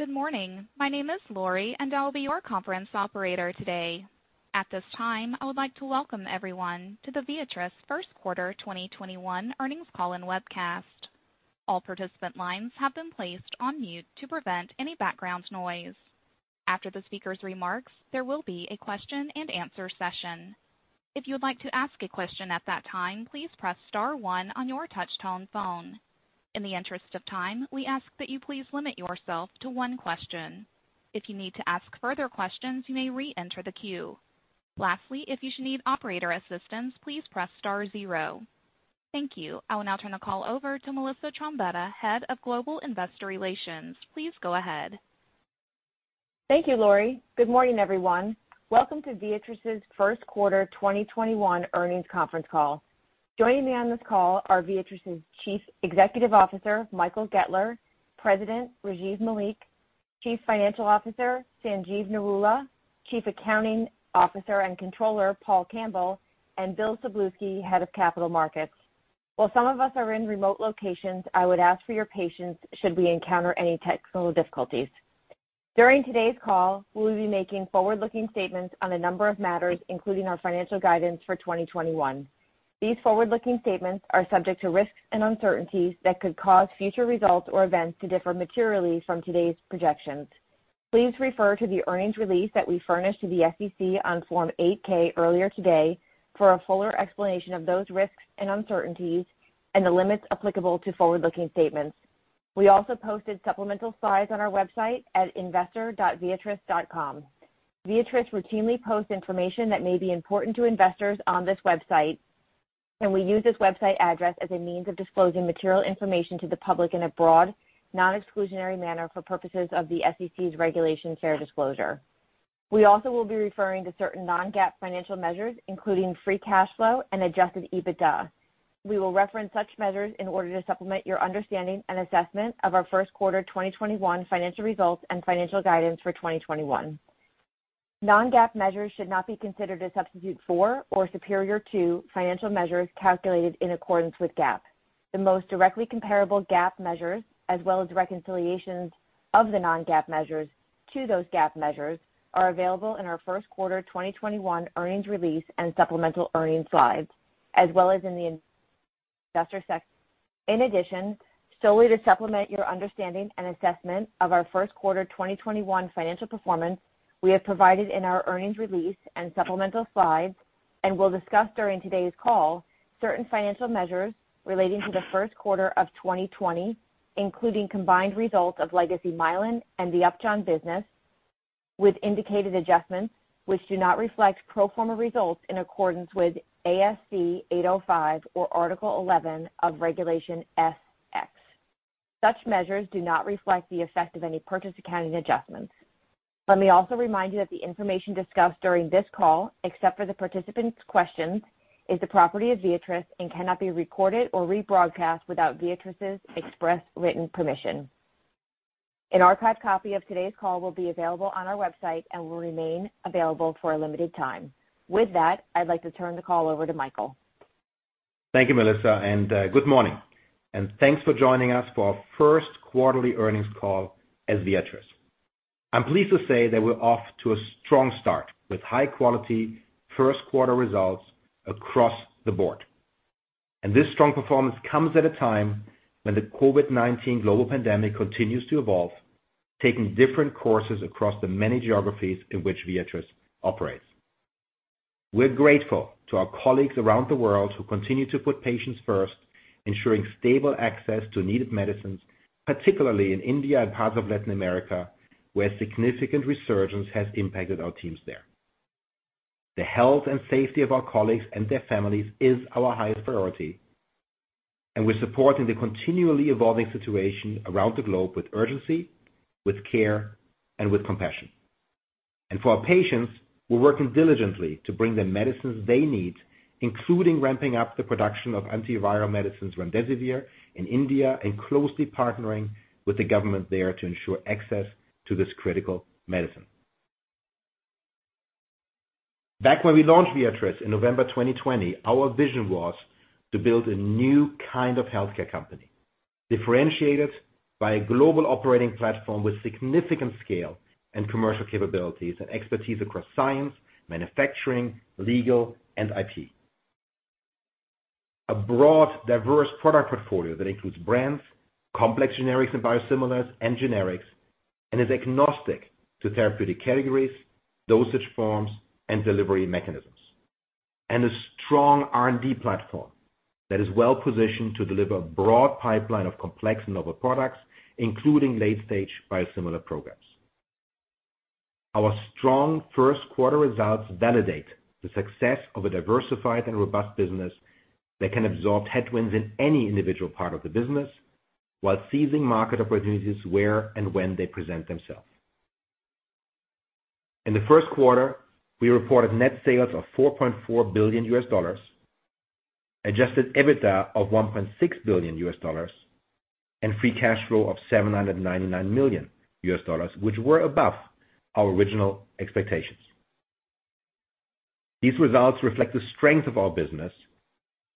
Good morning. My name is Lori, and I'll be your conference operator today. At this time, I would like to welcome everyone to the Viatris First Quarter 2021 earnings call and webcast. All participant lines have been placed on mute to prevent any background noise. After the speaker's remarks, there will be a question and answer session. If you would like to ask a question at that time, please press star one on your touch-tone phone. In the interest of time, we ask that you please limit yourself to one question. If you need to ask further questions, you may re-enter the queue. Lastly, if you should need operator assistance, please press star zero. Thank you. I will now turn the call over to Melissa Trombetta, Head of Global Investor Relations. Please go ahead. Thank you, Lori. Good morning, everyone. Welcome to Viatris' first quarter 2021 earnings conference call. Joining me on this call are Viatris' Chief Executive Officer, Michael Goettler, President, Rajiv Malik, Chief Financial Officer, Sanjeev Narula, Chief Accounting Officer and Controller, Paul Campbell, and Bill Szablewski, Head of Capital Markets. While some of us are in remote locations, I would ask for your patience should we encounter any technical difficulties. During today's call, we'll be making forward-looking statements on a number of matters, including our financial guidance for 2021. These forward-looking statements are subject to risks and uncertainties that could cause future results or events to differ materially from today's projections. Please refer to the earnings release that we furnished to the SEC on Form 8-K earlier today for a fuller explanation of those risks and uncertainties and the limits applicable to forward-looking statements. We also posted supplemental slides on our website at investor.viatris.com. Viatris routinely posts information that may be important to investors on this website, and we use this website address as a means of disclosing material information to the public in a broad, non-exclusionary manner for purposes of the SEC's Regulation Fair Disclosure. We also will be referring to certain non-GAAP financial measures, including free cash flow and adjusted EBITDA. We will reference such measures in order to supplement your understanding and assessment of our first quarter 2021 financial results and financial guidance for 2021. Non-GAAP measures should not be considered a substitute for or superior to financial measures calculated in accordance with GAAP. The most directly comparable GAAP measures, as well as reconciliations of the non-GAAP measures to those GAAP measures, are available in our first quarter 2021 earnings release and supplemental earnings slides, as well as in the investor section. In addition, solely to supplement your understanding and assessment of our first quarter 2021 financial performance, we have provided in our earnings release and supplemental slides, and will discuss during today's call, certain financial measures relating to the first quarter of 2020, including combined results of Legacy Mylan and the Upjohn business with indicated adjustments which do not reflect pro forma results in accordance with ASC 805 or Article 11 of Regulation S-X. Such measures do not reflect the effect of any purchase accounting adjustments. Let me also remind you that the information discussed during this call, except for the participants' questions, is the property of Viatris and cannot be recorded or rebroadcast without Viatris' express written permission. An archived copy of today's call will be available on our website and will remain available for a limited time. With that, I'd like to turn the call over to Michael. Thank you, Melissa, good morning, and thanks for joining us for our first quarterly earnings call as Viatris. I'm pleased to say that we're off to a strong start with high-quality first quarter results across the board. This strong performance comes at a time when the COVID-19 global pandemic continues to evolve, taking different courses across the many geographies in which Viatris operates. We're grateful to our colleagues around the world who continue to put patients first, ensuring stable access to needed medicines, particularly in India and parts of Latin America, where significant resurgence has impacted our teams there. The health and safety of our colleagues and their families is our highest priority, we're supporting the continually evolving situation around the globe with urgency, with care, and with compassion. For our patients, we're working diligently to bring the medicines they need, including ramping up the production of antiviral medicines remdesivir in India and closely partnering with the government there to ensure access to this critical medicine. Back when we launched Viatris in November 2020, our vision was to build a new kind of healthcare company, differentiated by a global operating platform with significant scale and commercial capabilities and expertise across science, manufacturing, legal, and IT, a broad, diverse product portfolio that includes brands, complex generics and biosimilars, and generics, and is agnostic to therapeutic categories, dosage forms, and delivery mechanisms, and a strong R&D platform that is well-positioned to deliver a broad pipeline of complex novel products, including late-stage biosimilar programs. Our strong first quarter results validate the success of a diversified and robust business that can absorb headwinds in any individual part of the business while seizing market opportunities where and when they present themselves. In the first quarter, we reported net sales of $4.4 billion, adjusted EBITDA of $1.6 billion, and free cash flow of $799 million, which were above our original expectations. These results reflect the strength of our business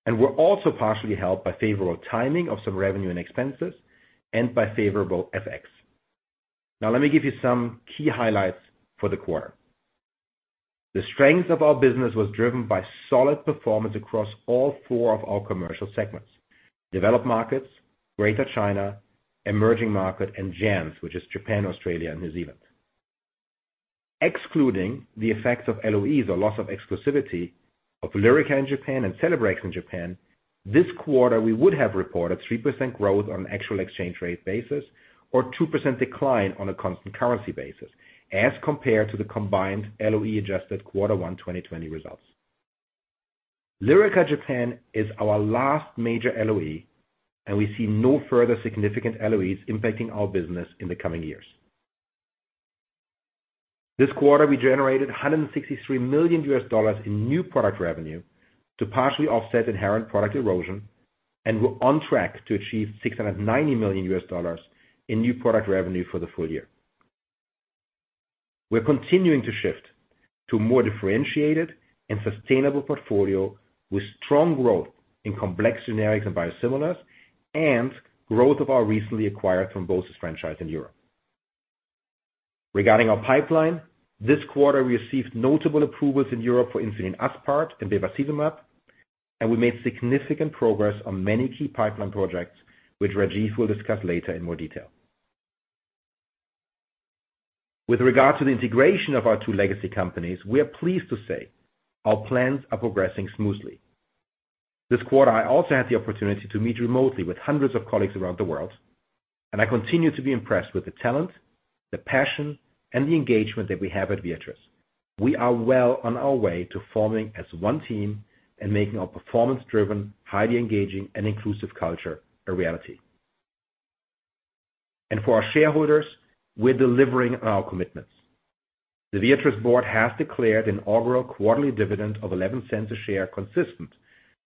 and were also partially helped by favorable timing of some revenue and expenses and by favorable FX. Now let me give you some key highlights for the quarter. The strength of our business was driven by solid performance across all four of our commercial segments: developed markets, Greater China, emerging market, and JANZ, which is Japan, Australia, and New Zealand. Excluding the effects of LOEs, or loss of exclusivity, of LYRICA in Japan and CELEBREX in Japan, this quarter, we would have reported 3% growth on actual exchange rate basis or 2% decline on a constant currency basis as compared to the combined LOE-adjusted quarter one 2020 results. LYRICA Japan is our last major LOE, and we see no further significant LOEs impacting our business in the coming years. This quarter, we generated $163 million in new product revenue to partially offset inherent product erosion and we're on track to achieve $690 million in new product revenue for the full year. We're continuing to shift to more differentiated and sustainable portfolio with strong growth in complex generics and biosimilars and growth of our recently acquired thrombosis franchise in Europe. Regarding our pipeline, this quarter, we received notable approvals in Europe for insulin aspart and bevacizumab. We made significant progress on many key pipeline projects, which Rajiv will discuss later in more detail. With regard to the integration of our two legacy companies, we are pleased to say our plans are progressing smoothly. This quarter, I also had the opportunity to meet remotely with hundreds of colleagues around the world. I continue to be impressed with the talent, the passion, and the engagement that we have at Viatris. We are well on our way to forming as one team and making our performance-driven, highly engaging, and inclusive culture a reality. For our shareholders, we're delivering on our commitments. The Viatris board has declared an inaugural quarterly dividend of $0.11 a share, consistent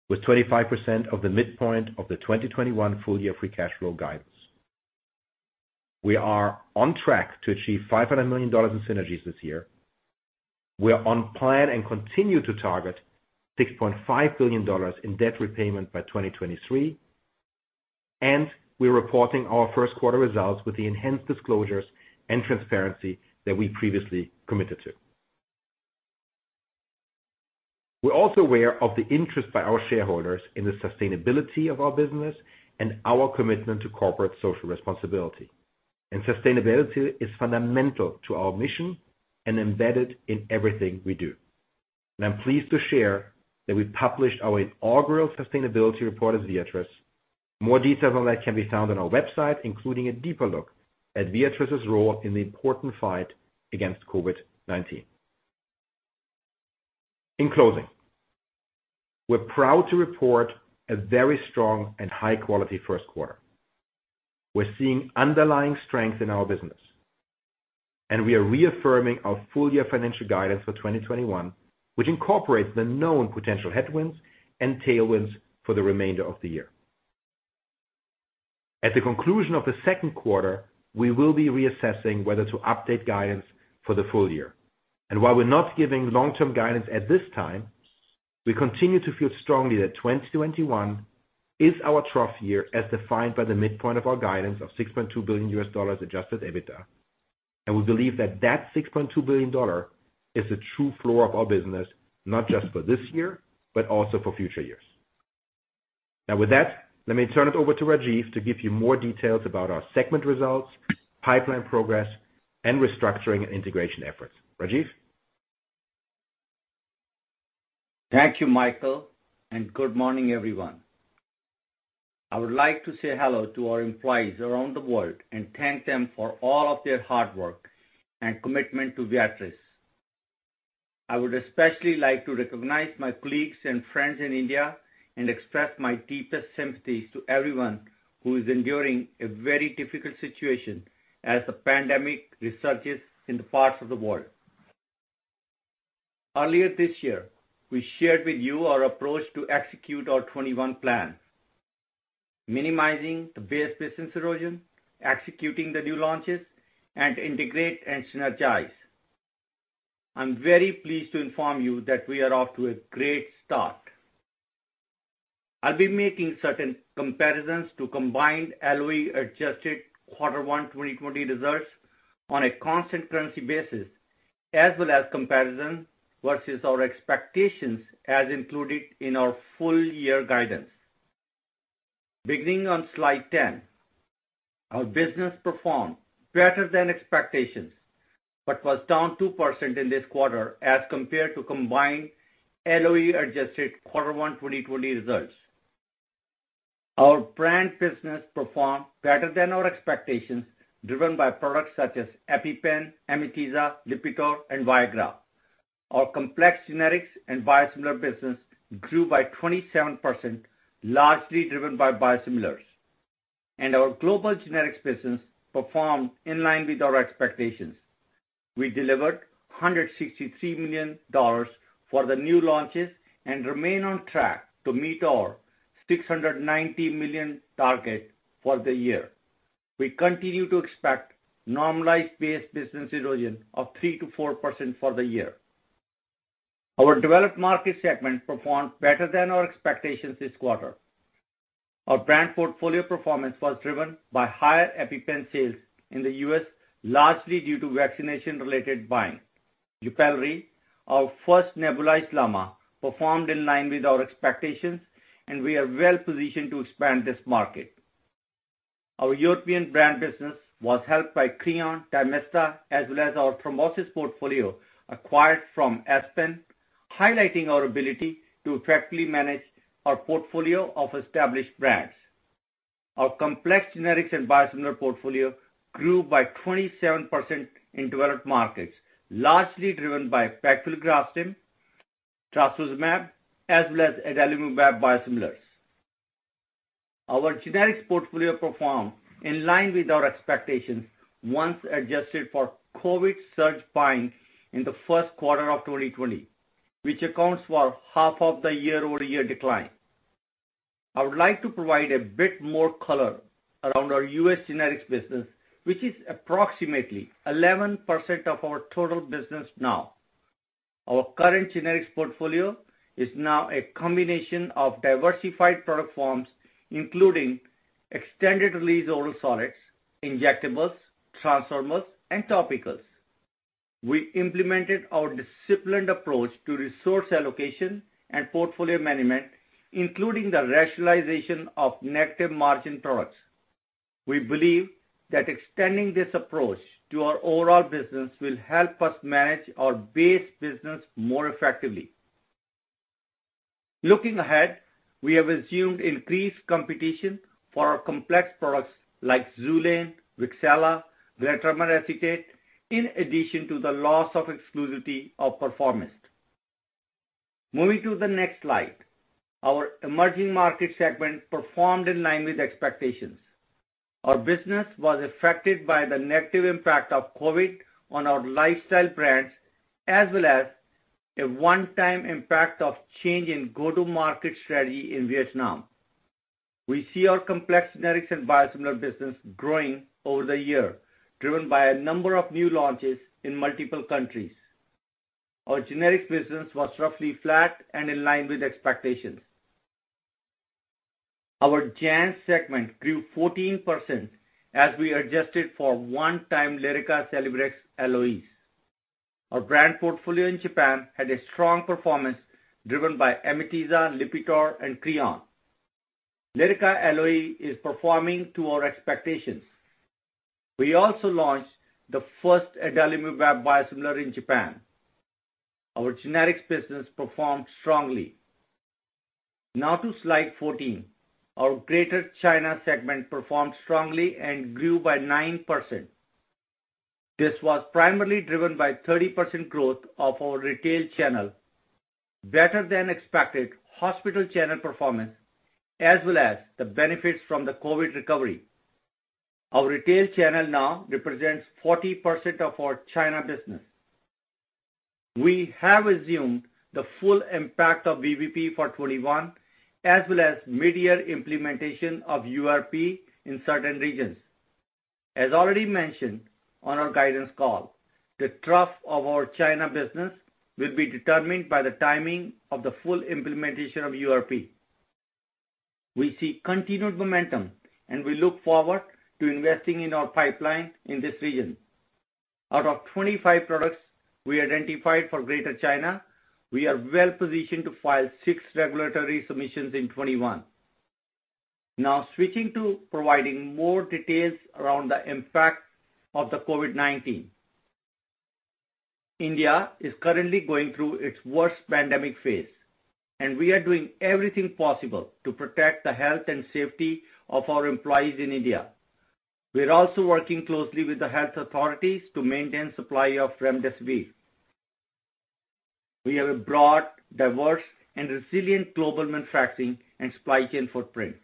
with 25% of the midpoint of the 2021 full-year free cash flow guidance. We are on track to achieve $500 million in synergies this year. We are on plan and continue to target $6.5 billion in debt repayment by 2023, and we are reporting our first quarter results with the enhanced disclosures and transparency that we previously committed to. We're also aware of the interest by our shareholders in the sustainability of our business and our commitment to corporate social responsibility. Sustainability is fundamental to our mission and embedded in everything we do. I'm pleased to share that we published our inaugural sustainability report as Viatris. More details on that can be found on our website, including a deeper look at Viatris' role in the important fight against COVID-19. In closing, we're proud to report a very strong and high-quality first quarter. We're seeing underlying strength in our business, and we are reaffirming our full-year financial guidance for 2021, which incorporates the known potential headwinds and tailwinds for the remainder of the year. At the conclusion of the second quarter, we will be reassessing whether to update guidance for the full year. While we're not giving long-term guidance at this time, we continue to feel strongly that 2021 is our trough year as defined by the midpoint of our guidance of $6.2 billion adjusted EBITDA, and we believe that $6.2 billion is the true floor of our business, not just for this year, but also for future years. Now, with that, let me turn it over to Rajiv to give you more details about our segment results, pipeline progress, and restructuring and integration efforts. Rajiv? Thank you, Michael, and good morning, everyone. I would like to say hello to our employees around the world and thank them for all of their hard work and commitment to Viatris. I would especially like to recognize my colleagues and friends in India and express my deepest sympathies to everyone who is enduring a very difficult situation as the pandemic resurges in the parts of the world. Earlier this year, we shared with you our approach to execute our 2021 plan, minimizing the base business erosion, executing the new launches, and integrate and synergize. I'm very pleased to inform you that we are off to a great start. I'll be making certain comparisons to combined LOE-adjusted quarter one 2020 results on a constant currency basis, as well as comparison versus our expectations as included in our full year guidance. Beginning on slide 10, our business performed better than expectations but was down 2% in this quarter as compared to combined LOE-adjusted quarter one 2020 results. Our brand business performed better than our expectations, driven by products such as EpiPen, Amitiza, LIPITOR, and Viagra. Our complex generics and biosimilar business grew by 27%, largely driven by biosimilars, and our global generics business performed in line with our expectations. We delivered $163 million for the new launches and remain on track to meet our $690 million target for the year. We continue to expect normalized base business erosion of 3%-4% for the year. Our developed market segment performed better than our expectations this quarter. Our brand portfolio performance was driven by higher EpiPen sales in the U.S., largely due to vaccination-related buying. YUPELRI, our first nebulized LAMA, performed in line with our expectations, and we are well-positioned to expand this market. Our European brand business was helped by CREON, DYMISTA, as well as our thrombosis portfolio acquired from Aspen, highlighting our ability to effectively manage our portfolio of established brands. Our complex generics and biosimilar portfolio grew by 27% in developed markets, largely driven by pegfilgrastim, trastuzumab, as well as adalimumab biosimilars. Our generics portfolio performed in line with our expectations once adjusted for COVID surge buying in the first quarter of 2020, which accounts for half of the year-over-year decline. I would like to provide a bit more color around our U.S. generics business, which is approximately 11% of our total business now. Our current generics portfolio is now a combination of diversified product forms, including extended release oral solids, injectables, transdermals, and topicals. We implemented our disciplined approach to resource allocation and portfolio management, including the rationalization of negative margin products. We believe that extending this approach to our overall business will help us manage our base business more effectively. Looking ahead, we have assumed increased competition for our complex products like XULANE, Wixela, venetoclax acetate, in addition to the loss of exclusivity of PERFOROMIST. Moving to the next slide. Our emerging market segment performed in line with expectations. Our business was affected by the negative impact of COVID-19 on our lifestyle brands, as well as a one-time impact of change in go-to-market strategy in Vietnam. We see our complex generics and biosimilar business growing over the year, driven by a number of new launches in multiple countries. Our generics business was roughly flat and in line with expectations. Our JANZ segment grew 14% as we adjusted for one-time LYRICA, CELEBREX LOEs. Our brand portfolio in Japan had a strong performance driven by Amitiza, LIPITOR, and CREON. LYRICA LOE is performing to our expectations. We also launched the first adalimumab biosimilar in Japan. Our generics business performed strongly. To slide 14. Our Greater China segment performed strongly and grew by 9%. This was primarily driven by 30% growth of our retail channel, better-than-expected hospital channel performance, as well as the benefits from the COVID recovery. Our retail channel now represents 40% of our China business. We have assumed the full impact of VBP for 2021, as well as mid-year implementation of URP in certain regions. As already mentioned on our guidance call, the trough of our China business will be determined by the timing of the full implementation of URP. We see continued momentum, we look forward to investing in our pipeline in this region. Out of 25 products we identified for Greater China, we are well-positioned to file six regulatory submissions in 2021. Now switching to providing more details around the impact of the COVID-19. India is currently going through its worst pandemic phase, and we are doing everything possible to protect the health and safety of our employees in India. We're also working closely with the health authorities to maintain supply of remdesivir. We have a broad, diverse, and resilient global manufacturing and supply chain footprint.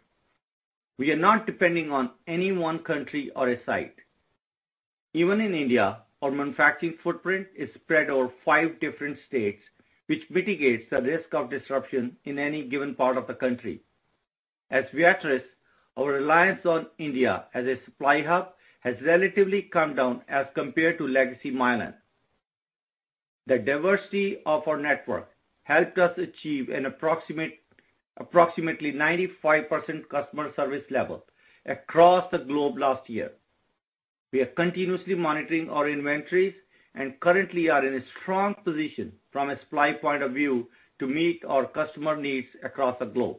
We are not depending on any one country or a site. Even in India, our manufacturing footprint is spread over five different states, which mitigates the risk of disruption in any given part of the country. As Viatris, our reliance on India as a supply hub has relatively come down as compared to legacy Mylan. The diversity of our network helped us achieve an approximately 95% customer service level across the globe last year. We are continuously monitoring our inventories and currently are in a strong position from a supply point of view to meet our customer needs across the globe.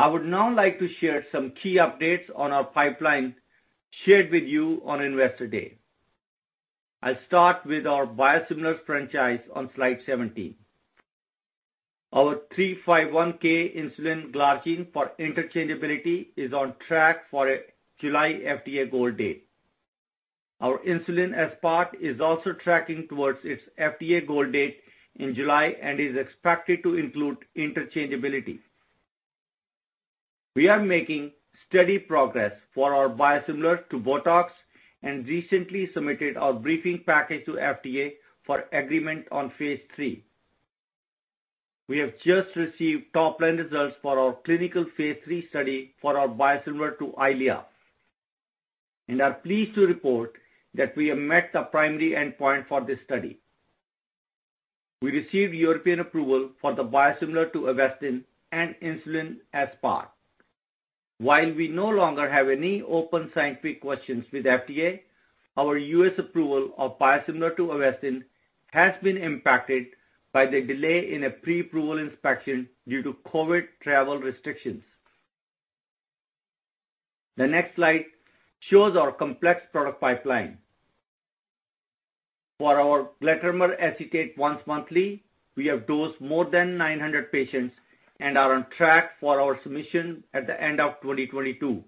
I would now like to share some key updates on our pipeline shared with you on Investor Day. I'll start with our biosimilars franchise on slide 17. Our 351(k) insulin glargine for interchangeability is on track for a July FDA goal date. Our insulin aspart is also tracking towards its FDA goal date in July and is expected to include interchangeability. We are making steady progress for our biosimilar to BOTOX and recently submitted our briefing package to FDA for agreement on phase III. We have just received top-line results for our clinical phase III study for our biosimilar to EYLEA, and are pleased to report that we have met the primary endpoint for this study. We received European approval for the biosimilar to Avastin and insulin aspart. While we no longer have any open scientific questions with FDA, our U.S. approval of biosimilar to Avastin has been impacted by the delay in a pre-approval inspection due to COVID-19 travel restrictions. The next slide shows our complex product pipeline. For our glatiramer acetate once monthly, we have dosed more than 900 patients and are on track for our submission at the end of 2022.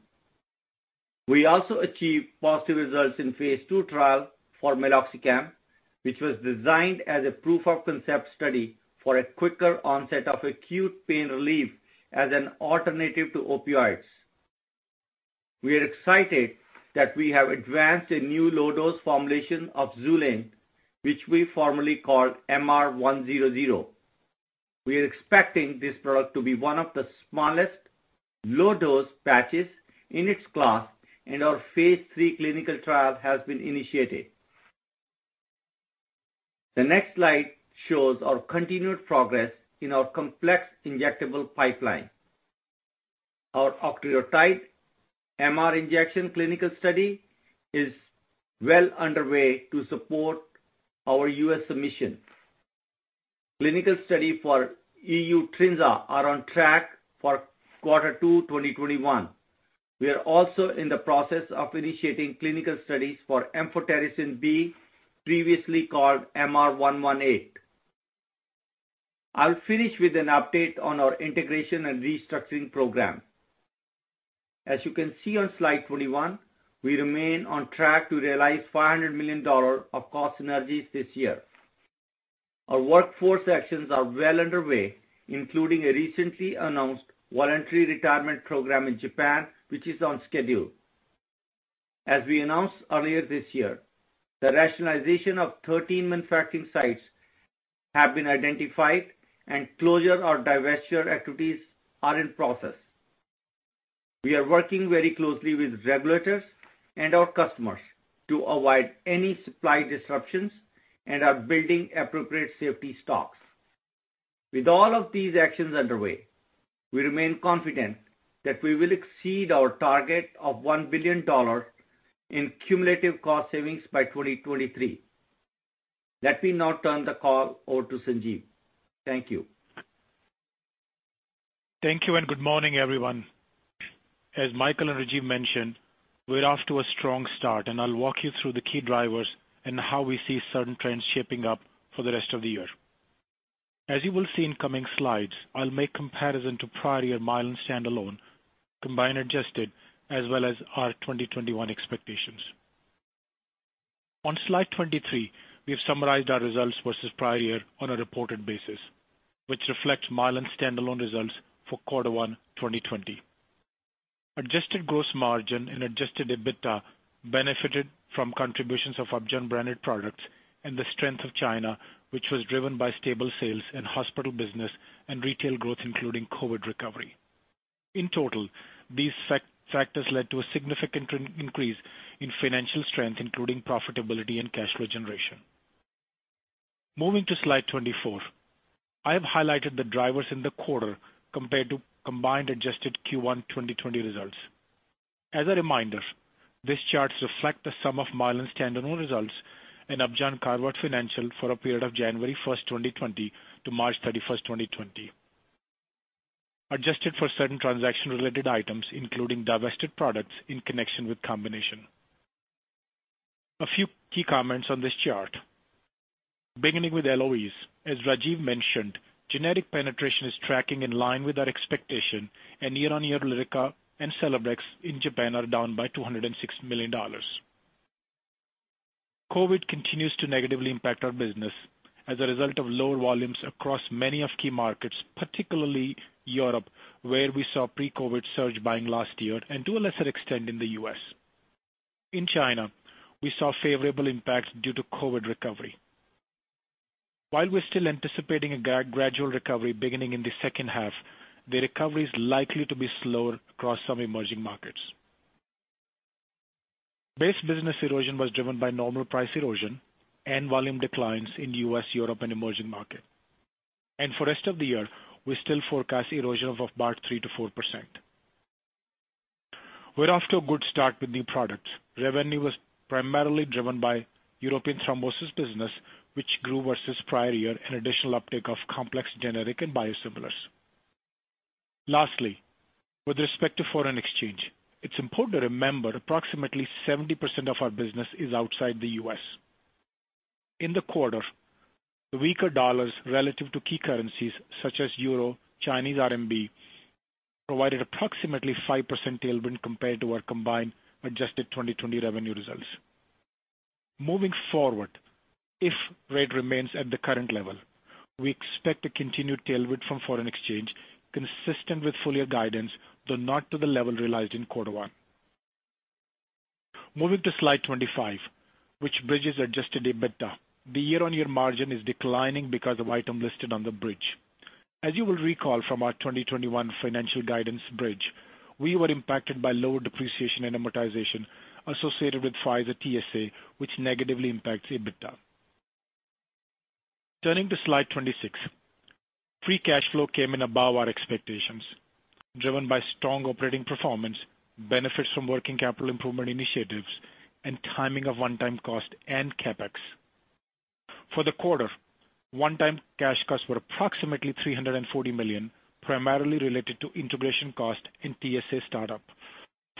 We also achieved positive results in phase II trial for meloxicam, which was designed as a proof of concept study for a quicker onset of acute pain relief as an alternative to opioids. We are excited that we have advanced a new low-dose formulation of XULANE, which we formerly called MR-100. We are expecting this product to be one of the smallest low-dose patches in its class, and our phase III clinical trial has been initiated. The next slide shows our continued progress in our complex injectable pipeline. Our octreotide MR injection clinical study is well underway to support our U.S. submission. Clinical study for EU Trinza are on track for quarter two 2021. We are also in the process of initiating clinical studies for amphotericin B, previously called MR-118. I'll finish with an update on our integration and restructuring program. As you can see on slide 21, we remain on track to realize $500 million of cost synergies this year. Our workforce actions are well underway, including a recently announced voluntary retirement program in Japan, which is on schedule. we announced earlier this year, the rationalization of 13 manufacturing sites have been identified, and closure or divestiture activities are in process. We are working very closely with regulators and our customers to avoid any supply disruptions and are building appropriate safety stocks. With all of these actions underway, we remain confident that we will exceed our target of $1 billion in cumulative cost savings by 2023. Let me now turn the call over to Sanjeev. Thank you. Thank you, and good morning, everyone. As Michael and Rajiv mentioned, we're off to a strong start, and I'll walk you through the key drivers and how we see certain trends shaping up for the rest of the year. As you will see in coming slides, I'll make comparison to prior year Mylan standalone, combined adjusted as well as our 2021 expectations. On slide 23, we have summarized our results versus prior year on a reported basis, which reflects Mylan standalone results for quarter one 2020. Adjusted gross margin and adjusted EBITDA benefited from contributions of Upjohn branded products and the strength of China, which was driven by stable sales and hospital business and retail growth, including COVID recovery. In total, these factors led to a significant increase in financial strength, including profitability and cash flow generation. Moving to slide 24. I have highlighted the drivers in the quarter compared to combined adjusted Q1 2020 results. As a reminder, these charts reflect the sum of Mylan standalone results and Upjohn carve-out financials for a period of January 1st, 2020, to March 31st, 2020. Adjusted for certain transaction-related items, including divested products in connection with combination. A few key comments on this chart. Beginning with LOEs, as Rajiv mentioned, generic penetration is tracking in line with our expectation, and year-on-year LYRICA and CELEBREX in Japan are down by $206 million. COVID continues to negatively impact our business as a result of lower volumes across many of key markets, particularly Europe, where we saw pre-COVID surge buying last year, and to a lesser extent in the U.S. In China, we saw favorable impacts due to COVID recovery. While we're still anticipating a gradual recovery beginning in the second half, the recovery is likely to be slower across some emerging markets. Base business erosion was driven by normal price erosion and volume declines in the U.S., Europe, and emerging market. For rest of the year, we still forecast erosion of about 3%-4%. We're off to a good start with new products. Revenue was primarily driven by European thrombosis business, which grew versus prior year, and additional uptick of complex generic and biosimilars. Lastly, with respect to foreign exchange, it's important to remember approximately 70% of our business is outside the U.S. In the quarter, the weaker dollars relative to key currencies such as euro, Chinese RMB, provided approximately 5% tailwind compared to our combined adjusted 2020 revenue results. Moving forward, if rate remains at the current level, we expect a continued tailwind from foreign exchange, consistent with full-year guidance, though not to the level realized in quarter one. Moving to slide 25, which bridges adjusted EBITDA. The year-on-year margin is declining because of items listed on the bridge. As you will recall from our 2021 financial guidance bridge, we were impacted by lower depreciation and amortization associated with Pfizer TSA, which negatively impacts EBITDA. Turning to slide 26, free cash flow came in above our expectations, driven by strong operating performance, benefits from working capital improvement initiatives, and timing of one-time cost and CapEx. For the quarter, one-time cash costs were approximately $340 million, primarily related to integration cost in TSA startup.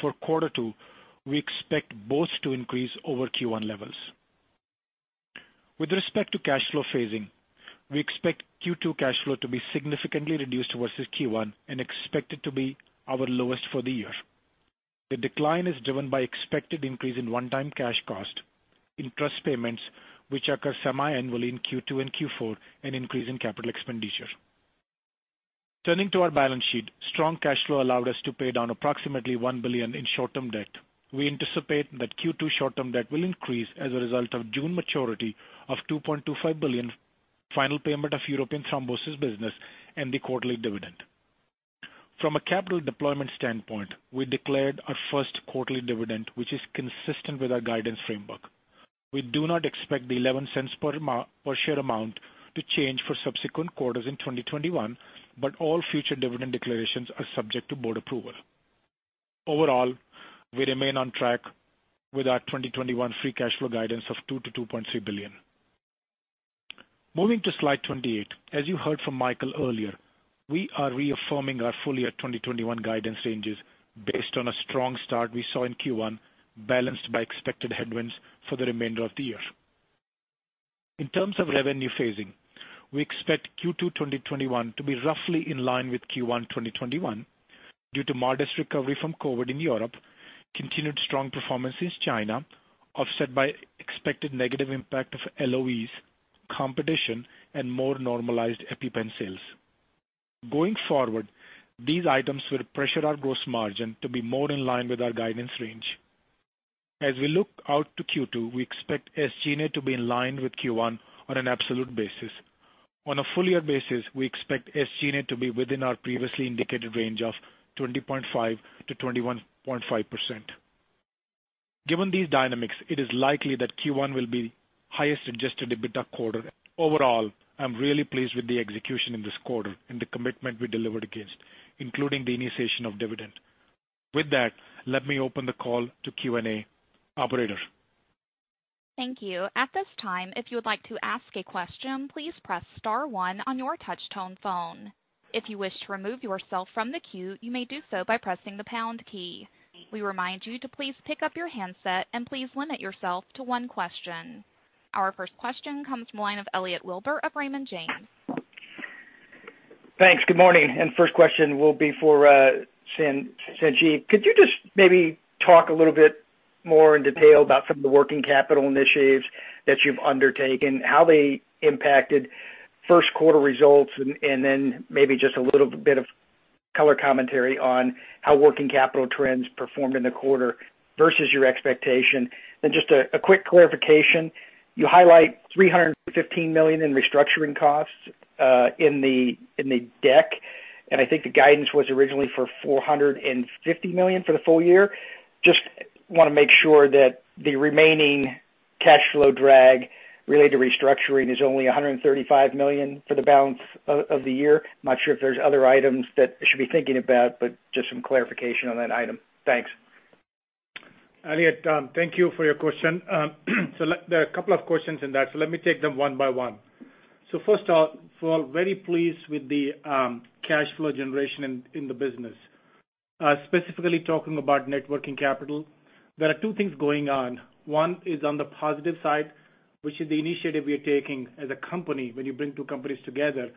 For quarter two, we expect both to increase over Q1 levels. With respect to cash flow phasing, we expect Q2 cash flow to be significantly reduced versus Q1 and expect it to be our lowest for the year. The decline is driven by expected increase in one-time cash cost interest payments, which occur semi-annually in Q2 and Q4, and increase in capital expenditure. Turning to our balance sheet, strong cash flow allowed us to pay down approximately $1 billion in short-term debt. We anticipate that Q2 short-term debt will increase as a result of June maturity of $2.25 billion final payment of European thrombosis business and the quarterly dividend. From a capital deployment standpoint, we declared our first quarterly dividend, which is consistent with our guidance framework. We do not expect the $0.11 per share amount to change for subsequent quarters in 2021, but all future dividend declarations are subject to board approval. Overall, we remain on track with our 2021 free cash flow guidance of $2 billion-$2.3 billion. Moving to slide 28. As you heard from Michael earlier, we are reaffirming our full-year 2021 guidance ranges based on a strong start we saw in Q1, balanced by expected headwinds for the remainder of the year. In terms of revenue phasing, we expect Q2 2021 to be roughly in line with Q1 2021 due to modest recovery from COVID in Europe, continued strong performance in China, offset by expected negative impact of LOEs, competition, and more normalized EpiPen sales. Going forward, these items will pressure our gross margin to be more in line with our guidance range. As we look out to Q2, we expect SG&A net to be in line with Q1 on an absolute basis. On a full-year basis, we expect SG&A to be within our previously indicated range of 20.5%-21.5%. Given these dynamics, it is likely that Q1 will be highest adjusted EBITDA quarter. Overall, I'm really pleased with the execution in this quarter and the commitment we delivered against, including the initiation of dividend. With that, let me open the call to Q&A. Operator? Thank you. At this time, if you would like to ask a question, please press star one on your touch-tone phone. If you wish to remove yourself from the queue, you may do so by pressing the pound key. We remind you to please pick up your handset and please limit yourself to one question. Our first question comes from the line of Elliot Wilbur of Raymond James. Thanks. Good morning, and first question will be for Sanjeev. Could you just maybe talk a little bit more in detail about some of the working capital initiatives that you've undertaken, how they impacted first quarter results, and then maybe just a little bit of color commentary on how working capital trends performed in the quarter versus your expectation? Just a quick clarification. You highlight $315 million in restructuring costs in the deck, and I think the guidance was originally for $450 million for the full year. Just want to make sure that the remaining cash flow drag related to restructuring is only $135 million for the balance of the year. I'm not sure if there's other items that I should be thinking about, but just some clarification on that item. Thanks. Elliot, thank you for your question. There are a couple of questions in that, so let me take them one by one. First off, we're very pleased with the cash flow generation in the business. Specifically talking about net working capital, there are two things going on. One is on the positive side, which is the initiative we are taking as a company when you bring two companies together,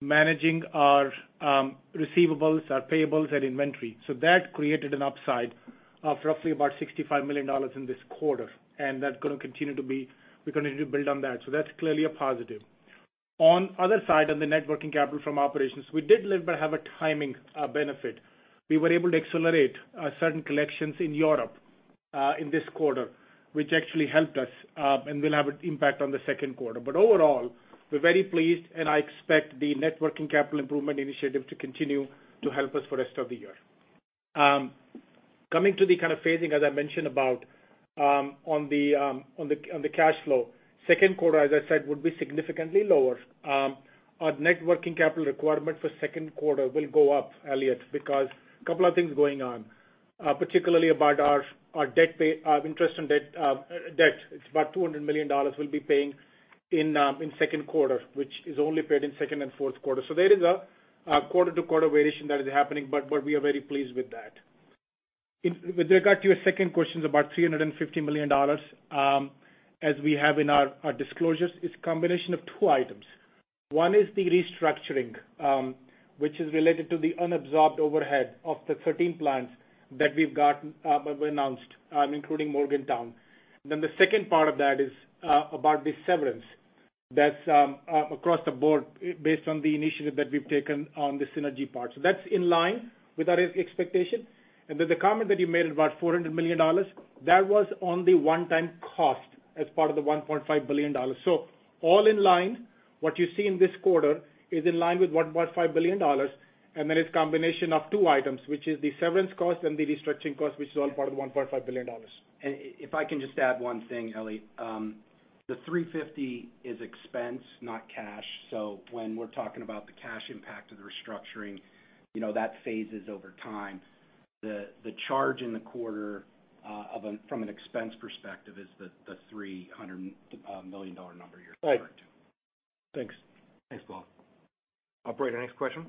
managing our receivables, our payables, and inventory. That created an upside of roughly about $65 million in this quarter, and we're going to build on that. That's clearly a positive. On other side, on the net working capital from operations, we did a little bit have a timing benefit. We were able to accelerate certain collections in Europe in this quarter, which actually helped us and will have an impact on the second quarter. Overall, we're very pleased, and I expect the net working capital improvement initiative to continue to help us for rest of the year. Coming to the kind of phasing, as I mentioned about on the cash flow, second quarter, as I said, would be significantly lower. Our net working capital requirement for second quarter will go up, Elliot, because a couple of things going on particularly about our interest and debt. It's about $200 million we'll be paying in second quarter, which is only paid in second and fourth quarter. there is a quarter-to-quarter variation that is happening, but we are very pleased with that. With regard to your second question about $350 million, as we have in our disclosures, it's a combination of two items. One is the restructuring, which is related to the unabsorbed overhead of the 13 plants that we've announced, including Morgantown. The second part of that is about the severance. That's across the board based on the initiative that we've taken on the synergy part. that's in line with our expectation. the comment that you made about $400 million, that was on the one-time cost as part of the $1.5 billion. all in line, what you see in this quarter is in line with $1.5 billion. it's combination of two items, which is the severance cost and the restructuring cost, which is all part of the $1.5 billion. If I can just add one thing, Eli, the 350 is expense, not cash. When we're talking about the cash impact of the restructuring, that phases over time. The charge in the quarter from an expense perspective is the $300 million number you're referring to. Right. Thanks. Thanks, both. Operator, next question.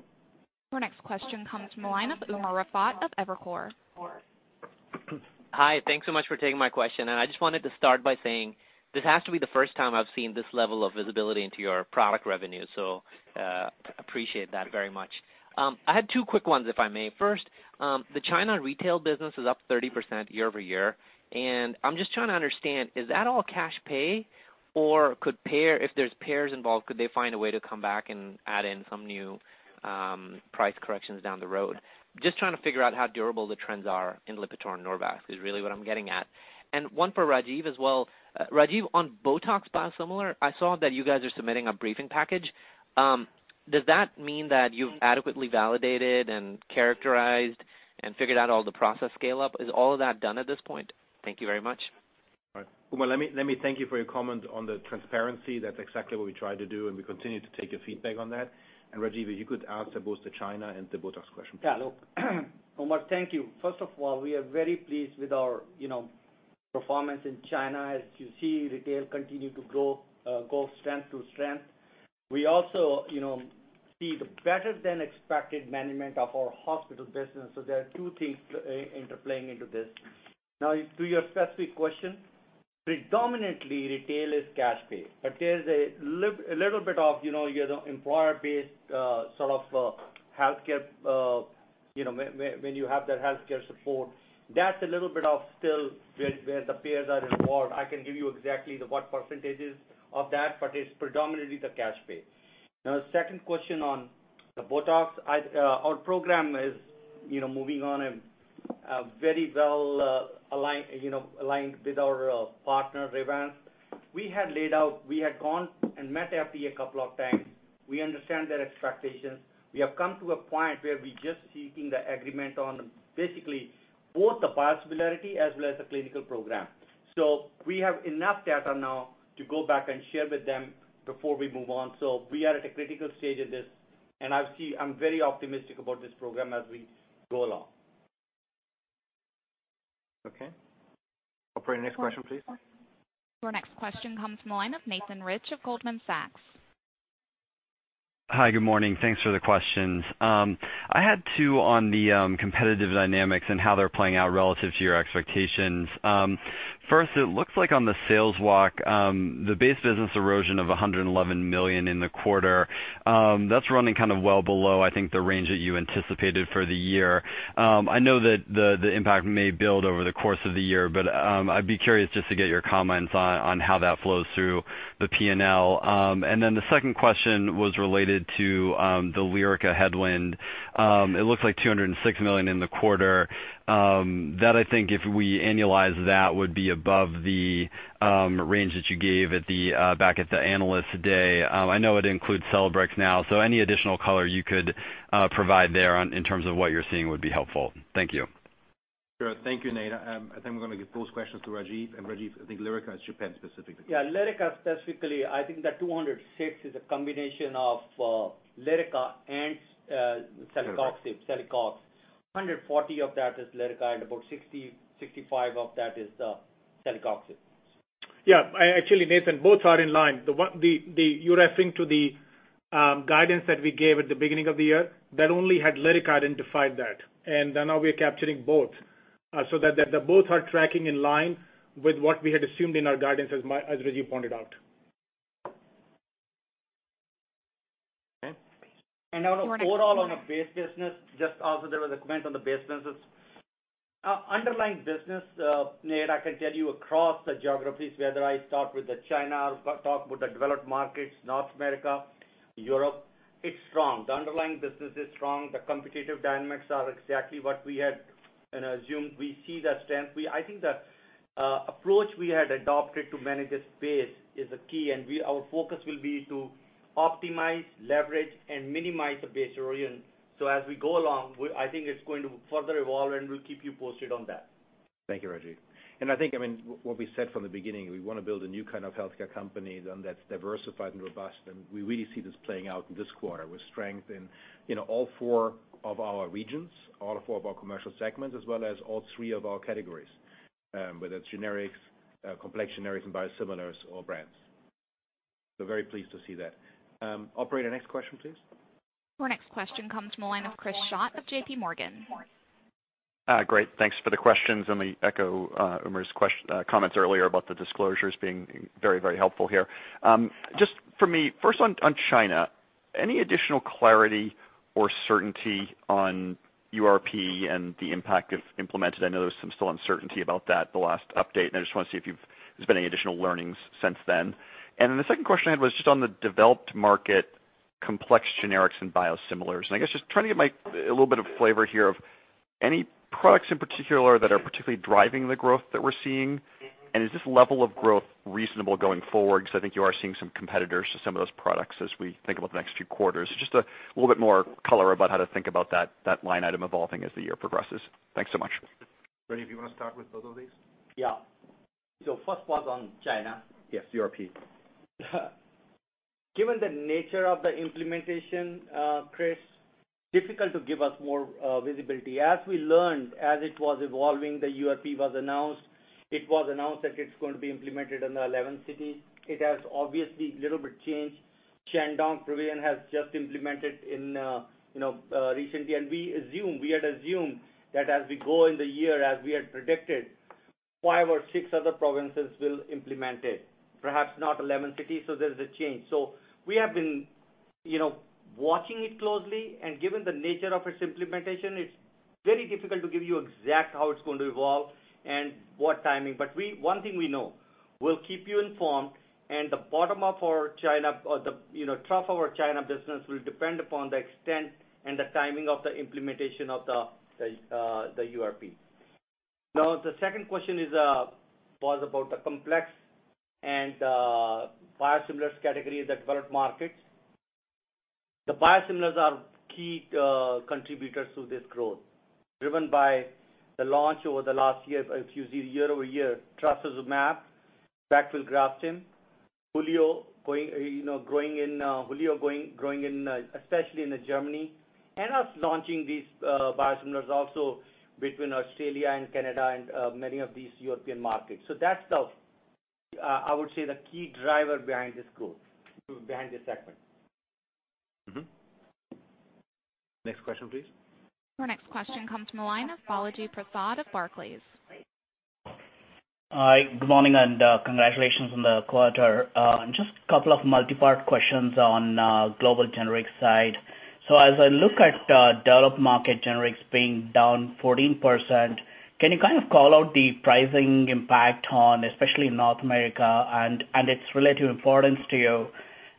Our next question comes from the line of Umer Raffat of Evercore. Hi. Thanks so much for taking my question. I just wanted to start by saying this has to be the first time I've seen this level of visibility into your product revenue. Appreciate that very much. I had two quick ones, if I may. First, the China retail business is up 30% year-over-year, and I'm just trying to understand, is that all cash pay or if there's payers involved, could they find a way to come back and add in some new price corrections down the road? Just trying to figure out how durable the trends are in LIPITOR and Norvasc is really what I'm getting at. One for Rajiv as well. Rajiv, on BOTOX biosimilar, I saw that you guys are submitting a briefing package. Does that mean that you've adequately validated and characterized and figured out all the process scale-up? Is all of that done at this point? Thank you very much. All right. Umer, let me thank you for your comment on the transparency. That's exactly what we try to do, and we continue to take your feedback on that. Rajiv, if you could answer both the China and the BOTOX question, please. Yeah, look. Umer Raffat, thank you. First of all, we are very pleased with our performance in China. As you see, retail continue to grow, go strength to strength. We also see the better than expected management of our hospital business. There are two things interplaying into this. To your specific question, predominantly retail is cash pay, but there's a little bit of your employer-based sort of healthcare, when you have that healthcare support. That's a little bit of still where the payers are involved. I can give you exactly what percentages of that, but it's predominantly the cash pay. The second question on the BOTOX. Our program is moving on and very well aligned with our partner, Revance. We had laid out, we had gone and met FDA a couple of times. We understand their expectations. We have come to a point where we're just seeking the agreement on basically both the biosimilarity as well as the clinical program. We have enough data now to go back and share with them before we move on. We are at a critical stage of this, and I'm very optimistic about this program as we go along. Okay. Operator, next question, please. Our next question comes from the line of Nathan Rich of Goldman Sachs. Hi, good morning. Thanks for the questions. I had two on the competitive dynamics and how they're playing out relative to your expectations. First, it looks like on the sales walk, the base business erosion of $111 million in the quarter, that's running kind of well below, I think, the range that you anticipated for the year. I know that the impact may build over the course of the year, but I'd be curious just to get your comments on how that flows through the P&L. The second question was related to the LYRICA headwind. It looks like $206 million in the quarter. That I think if we annualize that would be above the range that you gave back at the Analyst Day. I know it includes CELEBREX now, so any additional color you could provide there in terms of what you're seeing would be helpful. Thank you. Sure. Thank you, Nate. I think we're going to give those questions to Rajiv. Rajiv, I think LYRICA is Japan-specific. Yeah. LYRICA specifically, I think that $206 million is a combination of LYRICA and celecoxib. $140 million of that is LYRICA, and about $60 million, $65 million of that is celecoxib. Yeah. Actually, Nathan Rich, both are in line. You're referring to the guidance that we gave at the beginning of the year. That only had LYRICA identified that, and now we are capturing both. Both are tracking in line with what we had assumed in our guidance, as Rajiv Malik pointed out. Overall on the base business, just also there was a comment on the base business. Underlying business, Nate, I can tell you across the geographies, whether I talk with the China or talk with the developed markets, North America, Europe, it's strong. The underlying business is strong. The competitive dynamics are exactly what we had assumed. We see the strength. I think the approach we had adopted to manage this base is a key, and our focus will be to optimize, leverage, and minimize the base erosion. As we go along, I think it's going to further evolve, and we'll keep you posted on that. Thank you, Rajiv. I think, what we said from the beginning, we want to build a new kind of healthcare company, one that's diversified and robust, and we really see this playing out in this quarter with strength in all four of our regions, all four of our commercial segments, as well as all three of our categories, whether it's generics, complex generics and biosimilars or brands. Very pleased to see that. Operator, next question, please. Our next question comes from the line of Chris Schott of JPMorgan. Great. Thanks for the questions, and I echo Umer's comments earlier about the disclosures being very helpful here. Just for me, first on China. Any additional clarity or certainty on URP and the impact if implemented? I know there was some still uncertainty about that the last update, and I just want to see if there's been any additional learnings since then. Then the second question I had was just on the developed market complex generics and biosimilars, and I guess just trying to get a little bit of flavor here of any products in particular that are particularly driving the growth that we're seeing. Is this level of growth reasonable going forward? Because I think you are seeing some competitors to some of those products as we think about the next few quarters. Just a little bit more color about how to think about that line item evolving as the year progresses. Thanks so much. Rajiv, do you want to start with both of these? Yeah. First was on China. Yes, URP. Given the nature of the implementation, Chris, difficult to give us more visibility. As we learned, as it was evolving, the URP was announced. It was announced that it's going to be implemented in the 11 cities. It has obviously little bit changed. Shandong Province has just implemented recently, and we had assumed that as we go in the year, as we had predicted, five or six other provinces will implement it. Perhaps not 11 cities, so there is a change. We have been watching it closely, and given the nature of its implementation, it's very difficult to give you exact how it's going to evolve and what timing. One thing we know, we'll keep you informed, and the bottom of our China or the trough of our China business will depend upon the extent and the timing of the implementation of the URP. Now, the second question was about the complex and biosimilars category in the developed markets. The biosimilars are key contributors to this growth, driven by the launch over the last year. If you see year-over-year, trastuzumab, pegfilgrastim, Hulio growing especially in Germany, and U.S. launching these biosimilars also between Australia and Canada and many of these European markets. that's, I would say, the key driver behind this growth, behind this segment. Mm-hmm. Next question, please. Our next question comes from the line of Balaji Prasad of Barclays. Hi, good morning, and congratulations on the quarter. Just a couple of multi-part questions on global generic side. As I look at developed market generics being down 14%, can you kind of call out the pricing impact on, especially in North America, and its relative importance to you?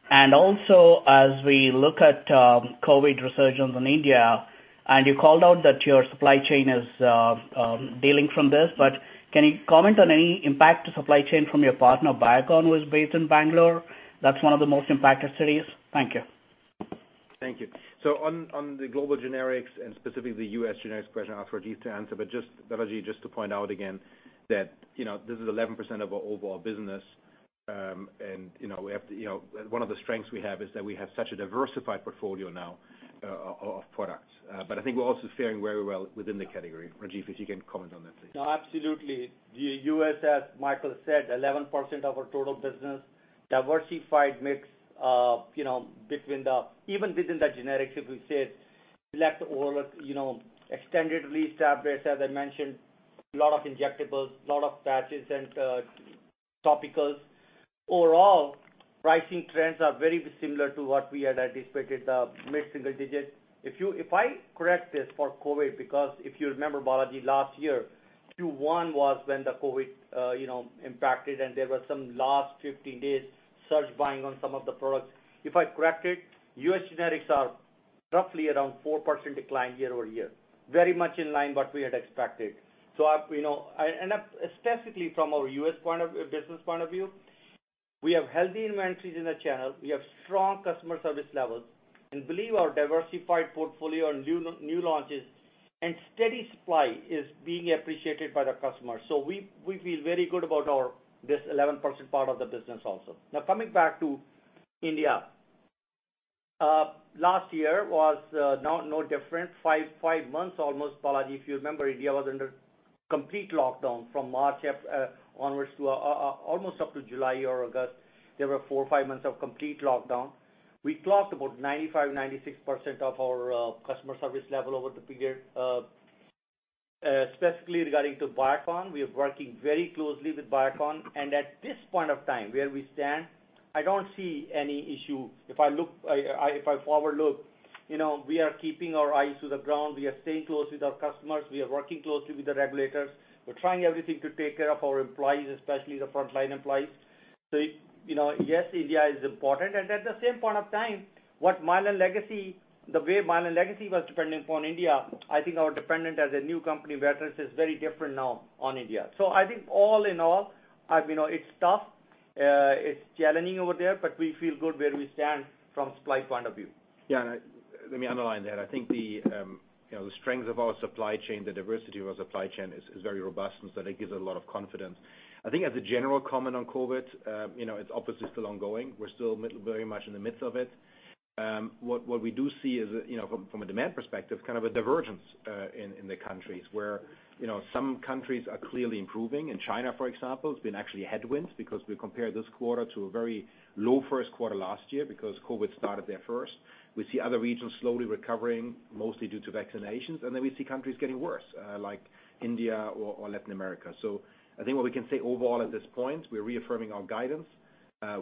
Also, as we look at COVID resurgence in India, and you called out that your supply chain is dealing from this, but can you comment on any impact to supply chain from your partner Biocon, who is based in Bengaluru? That's one of the most impacted cities. Thank you. Thank you. On the global generics and specifically the U.S. generics question, I'll ask Rajiv to answer, but just, Balaji, just to point out again that this is 11% of our overall business. One of the strengths we have is that we have such a diversified portfolio now of products. I think we're also faring very well within the category. Rajiv, if you can comment on that, please. No, absolutely. The U.S., as Michael said, 11% of our total business, diversified mix even within the generics, as we said, select oral extended release tablets, as I mentioned, lot of injectables, lot of patches and topicals. Overall, pricing trends are very similar to what we had anticipated, the mid-single digits. If I correct this for COVID, because if you remember, Balaji, last year, Q1 was when the COVID impacted, and there was some last 15 days surge buying on some of the products. If I correct it, U.S. generics are roughly around 4% decline year-over-year. Very much in line what we had expected. Specifically from our U.S. business point of view, we have healthy inventories in the channel. We have strong customer service levels and believe our diversified portfolio and new launches and steady supply is being appreciated by the customers. We feel very good about this 11% part of the business also. Now, coming back to India. Last year was no different. Five months almost, Balaji, if you remember, India was under complete lockdown from March onwards to almost up to July or August. There were four or five months of complete lockdown. We clocked about 95%, 96% of our customer service level over the period. Specifically regarding to Biocon, we are working very closely with Biocon, and at this point of time, where we stand, I don't see any issue. If I forward look, we are keeping our eyes to the ground. We are staying close with our customers. We are working closely with the regulators. We're trying everything to take care of our employees, especially the frontline employees. Yes, India is important, and at the same point of time, the way Mylan Legacy was dependent upon India, I think our dependent as a new company, Viatris, is very different now on India. I think all in all, it's tough. It's challenging over there, but we feel good where we stand from supply point of view. Yeah, let me underline that. I think the strengths of our supply chain, the diversity of our supply chain is very robust, and so that gives a lot of confidence. I think as a general comment on COVID, it's obviously still ongoing. We're still very much in the midst of it. What we do see is, from a demand perspective, kind of a divergence in the countries where some countries are clearly improving. In China, for example, it's been actually headwinds because we compare this quarter to a very low first quarter last year because COVID started there first. We see other regions slowly recovering, mostly due to vaccinations, and then we see countries getting worse, like India or Latin America. I think what we can say overall at this point, we're reaffirming our guidance.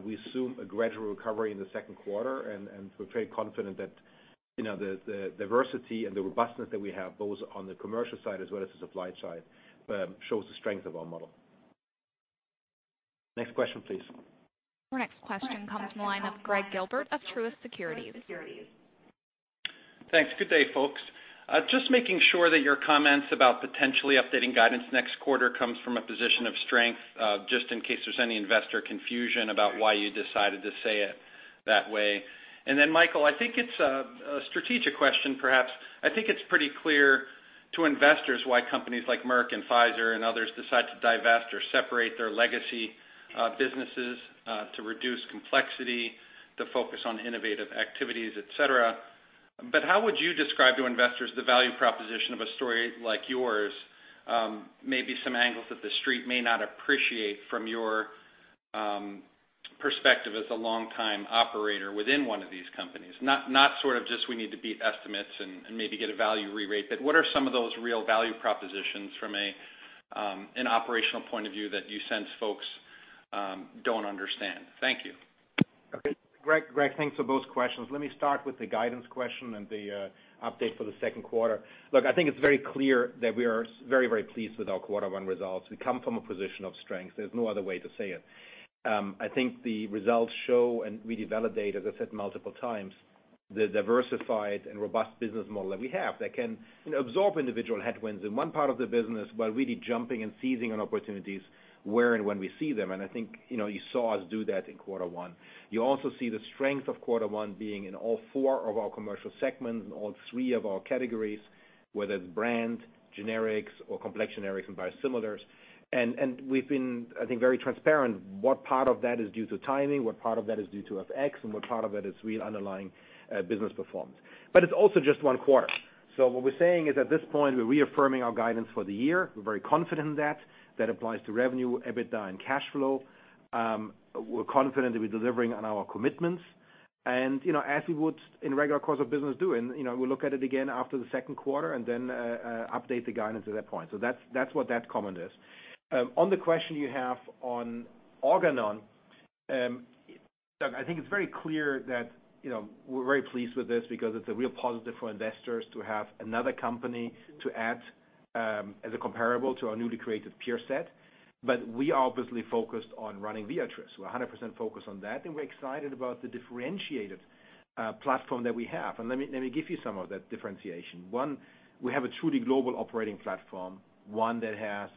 We assume a gradual recovery in the second quarter, and we're very confident that the diversity and the robustness that we have, both on the commercial side as well as the supply side, shows the strength of our model. Next question, please. Our next question comes from the line of Greg Gilbert of Truist Securities. Thanks. Good day, folks. Just making sure that your comments about potentially updating guidance next quarter comes from a position of strength, just in case there's any investor confusion about why you decided to say it that way. Michael, I think it's a strategic question, perhaps. I think it's pretty clear to investors why companies like Merck and Pfizer and others decide to divest or separate their legacy businesses, to reduce complexity, to focus on innovative activities, et cetera. How would you describe to investors the value proposition of a story like yours? Maybe some angles that the Street may not appreciate from your perspective as a longtime operator within one of these companies, not sort of just we need to beat estimates and maybe get a value rerate. What are some of those real value propositions from an operational point of view that you sense folks don't understand? Thank you. Okay, Greg. Thanks for both questions. Let me start with the guidance question and the update for the second quarter. Look, I think it's very clear that we are very, very pleased with our quarter one results. We come from a position of strength. There's no other way to say it. I think the results show, and really validate, as I said multiple times, the diversified and robust business model that we have that can absorb individual headwinds in one part of the business while really jumping and seizing on opportunities where and when we see them. I think you saw us do that in quarter one. You also see the strength of quarter one being in all four of our commercial segments, in all three of our categories, whether it's brand, generics or complex generics and biosimilars. We've been, I think, very transparent what part of that is due to timing, what part of that is due to FX, and what part of it is real underlying business performance. it's also just one quarter. what we're saying is, at this point, we're reaffirming our guidance for the year. We're very confident in that. That applies to revenue, EBITDA, and cash flow. We're confident that we're delivering on our commitments and, as we would in regular course of business, do and we'll look at it again after the second quarter and then update the guidance at that point. that's what that comment is. On the question you have on Organon, Greg, I think it's very clear that we're very pleased with this because it's a real positive for investors to have another company to add as a comparable to our newly created peer set. We are obviously focused on running Viatris. We're 100% focused on that, and we're excited about the differentiated platform that we have. Let me give you some of that differentiation. One, we have a truly global operating platform, one that has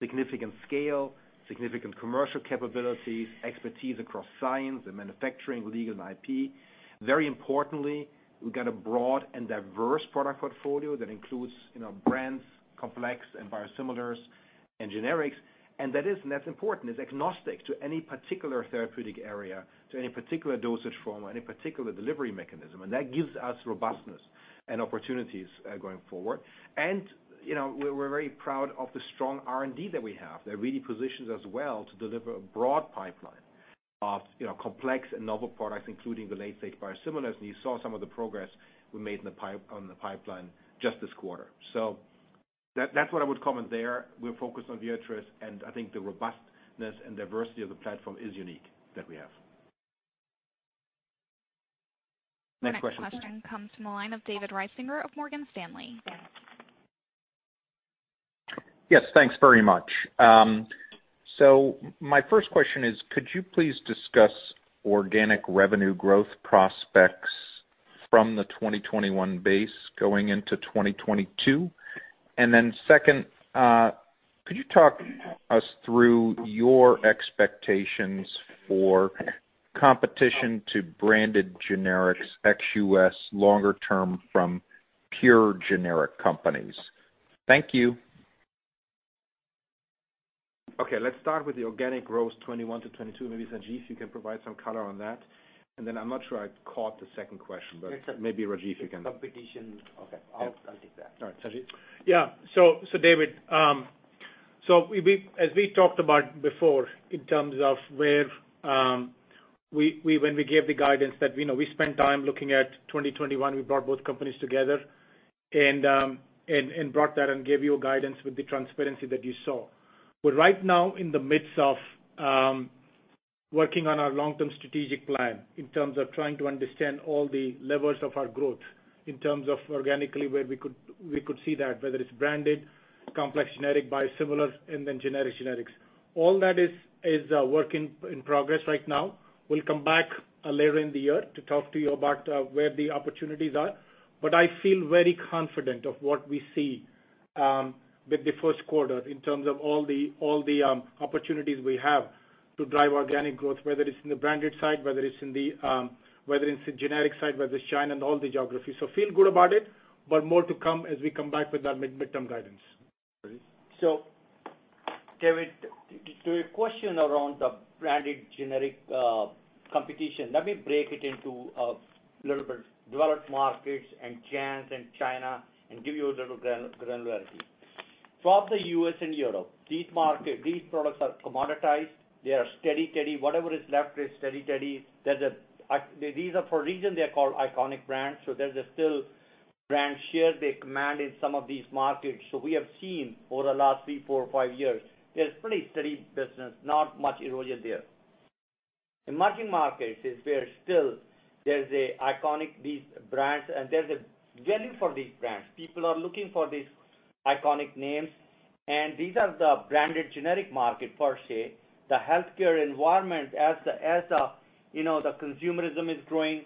significant scale, significant commercial capabilities, expertise across science and manufacturing, legal and IP. Very importantly, we've got a broad and diverse product portfolio that includes brands, complex and biosimilars and generics. That is, and that's important, is agnostic to any particular therapeutic area, to any particular dosage form or any particular delivery mechanism. That gives us robustness and opportunities going forward. We're very proud of the strong R&D that we have, that really positions us well to deliver a broad pipeline of complex and novel products, including the late-stage biosimilars. You saw some of the progress we made on the pipeline just this quarter. That's what I would comment there. We're focused on Viatris, and I think the robustness and diversity of the platform is unique that we have. Next question. Our next question comes from the line of David Risinger of Morgan Stanley. Yes, thanks very much. my first question is, could you please discuss organic revenue growth prospects from the 2021 base going into 2022? then second, could you talk us through your expectations for competition to branded generics ex-US longer term from pure generic companies? Thank you. Okay, let's start with the organic growth 2021 to 2022. Maybe Sanjeev, you can provide some color on that. then I'm not sure I caught the second question, but maybe Rajiv, you can- It's competition. Okay, I'll take that. All right. Sanjeev? Yeah. David, as we talked about before in terms of when we gave the guidance that we spent time looking at 2021, we brought both companies together and brought that and gave you a guidance with the transparency that you saw. We're right now in the midst of working on our long-term strategic plan in terms of trying to understand all the levers of our growth, in terms of organically where we could see that, whether it's branded, complex generic, biosimilars, and then generic generics. All that is a work in progress right now. We'll come back later in the year to talk to you about where the opportunities are, but I feel very confident of what we see with the first quarter in terms of all the opportunities we have to drive organic growth, whether it's in the branded side, whether it's the generic side, whether it's China and all the geographies. Feel good about it, but more to come as we come back with our midterm guidance. Rajiv? David, to your question around the branded generic competition, let me break it into a little bit developed markets and JANZ and China and give you a little granularity. Throughout the U.S. and Europe, these products are commoditized. They are steady. Whatever is left is steady. These are for a reason, they're called iconic brands, so there's still brand share they command in some of these markets. we have seen over the last three, four, five years, there's pretty steady business, not much erosion there. In emerging markets, there's a iconic these brands, and there's a value for these brands. People are looking for these iconic names, and these are the branded generic market per se. The healthcare environment as the consumerism is growing,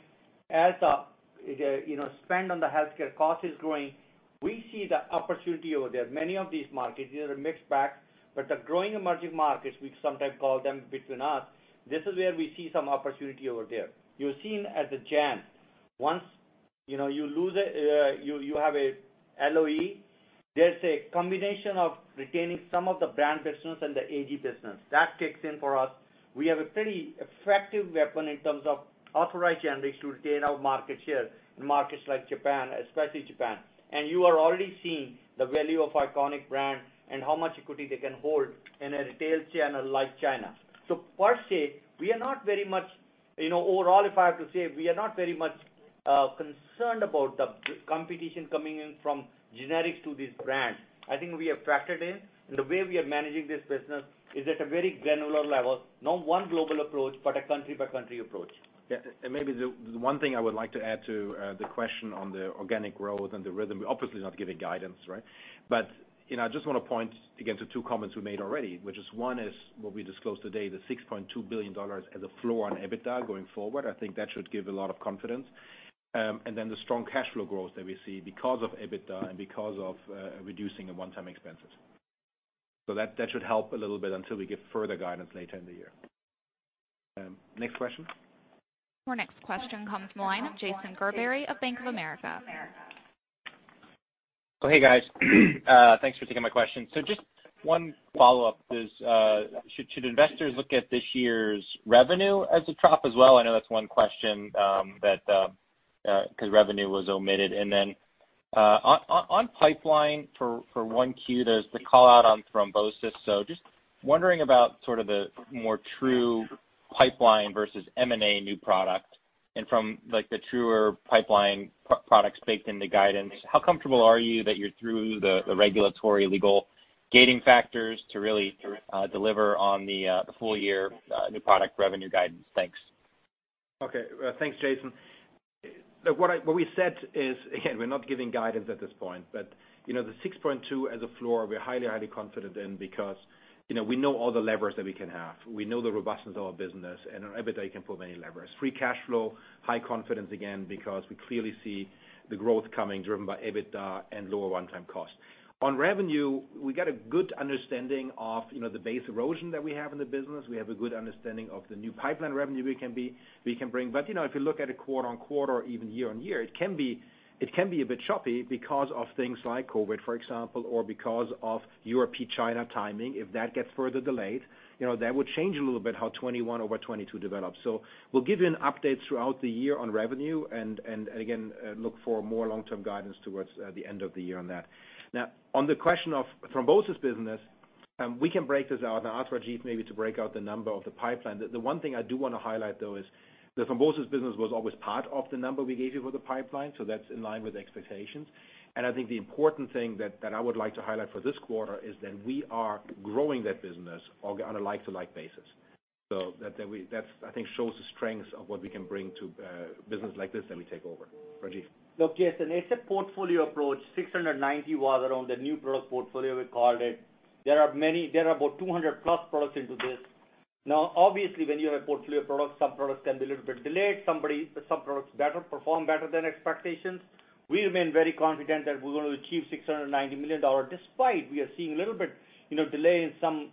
as the spend on the healthcare cost is growing, we see the opportunity over there. Many of these markets, these are a mixed bag, but the growing emerging markets, we sometimes call them between us, this is where we see some opportunity over there. You've seen as the JANZ, once you have a LOE, there's a combination of retaining some of the brand business and the AG business. That kicks in for us. We have a pretty effective weapon in terms of authorized generics to retain our market share in markets like Japan, especially Japan. You are already seeing the value of iconic brand and how much equity they can hold in a retail channel like China. Per se, we are not very much, overall, if I have to say, we are not very much concerned about the competition coming in from generics to these brands. I think we are factored in, and the way we are managing this business is at a very granular level. Not one global approach, but a country by country approach. Yeah. Maybe the one thing I would like to add to the question on the organic growth and the rhythm, we're obviously not giving guidance, right? I just want to point, again, to two comments we made already, which is one is what we disclosed today, the $6.2 billion as a floor on EBITDA going forward. I think that should give a lot of confidence. The strong cash flow growth that we see because of EBITDA and because of reducing the one-time expenses. That should help a little bit until we give further guidance later in the year. Next question. Our next question comes from the line of Jason Gerberry of Bank of America. Hey, guys. Thanks for taking my question. just one follow-up is, should investors look at this year's revenue as a trough as well? I know that's one question, because revenue was omitted. on pipeline for 1Q, there's the call out on thrombosis. just wondering about sort of the more true pipeline versus M&A new product and from the truer pipeline products baked into guidance, how comfortable are you that you're through the regulatory legal gating factors to really deliver on the full year new product revenue guidance? Thanks. Okay. Thanks, Jason. What we said is, again, we're not giving guidance at this point. The $6.2 billion as a floor, we're highly confident in because we know all the levers that we can have. We know the robustness of our business and our EBITDA can pull many levers. Free cash flow, high confidence, again, because we clearly see the growth coming driven by EBITDA and lower one-time costs. On revenue, we got a good understanding of the base erosion that we have in the business. We have a good understanding of the new pipeline revenue we can bring. If you look at it quarter-over-quarter or even year-over-year, it can be a bit choppy because of things like COVID, for example, or because of URP China timing. If that gets further delayed, that would change a little bit how 2021 over 2022 develops. We'll give you an update throughout the year on revenue and, again, look for more long-term guidance towards the end of the year on that. Now, on the question of thrombosis business, we can break this out and ask Rajiv maybe to break out the number of the pipeline. The one thing I do want to highlight, though, is the thrombosis business was always part of the number we gave you for the pipeline, so that's in line with expectations. I think the important thing that I would like to highlight for this quarter is that we are growing that business on a like to like basis. That, I think, shows the strength of what we can bring to a business like this that we take over. Rajiv. Look, Jason, it's a portfolio approach. $690 million was around the new product portfolio we called it. There are about 200+ products into this. Now, obviously, when you have a portfolio of products, some products can be a little bit delayed, some products perform better than expectations. We remain very confident that we're going to achieve $690 million, despite we are seeing a little bit delay in some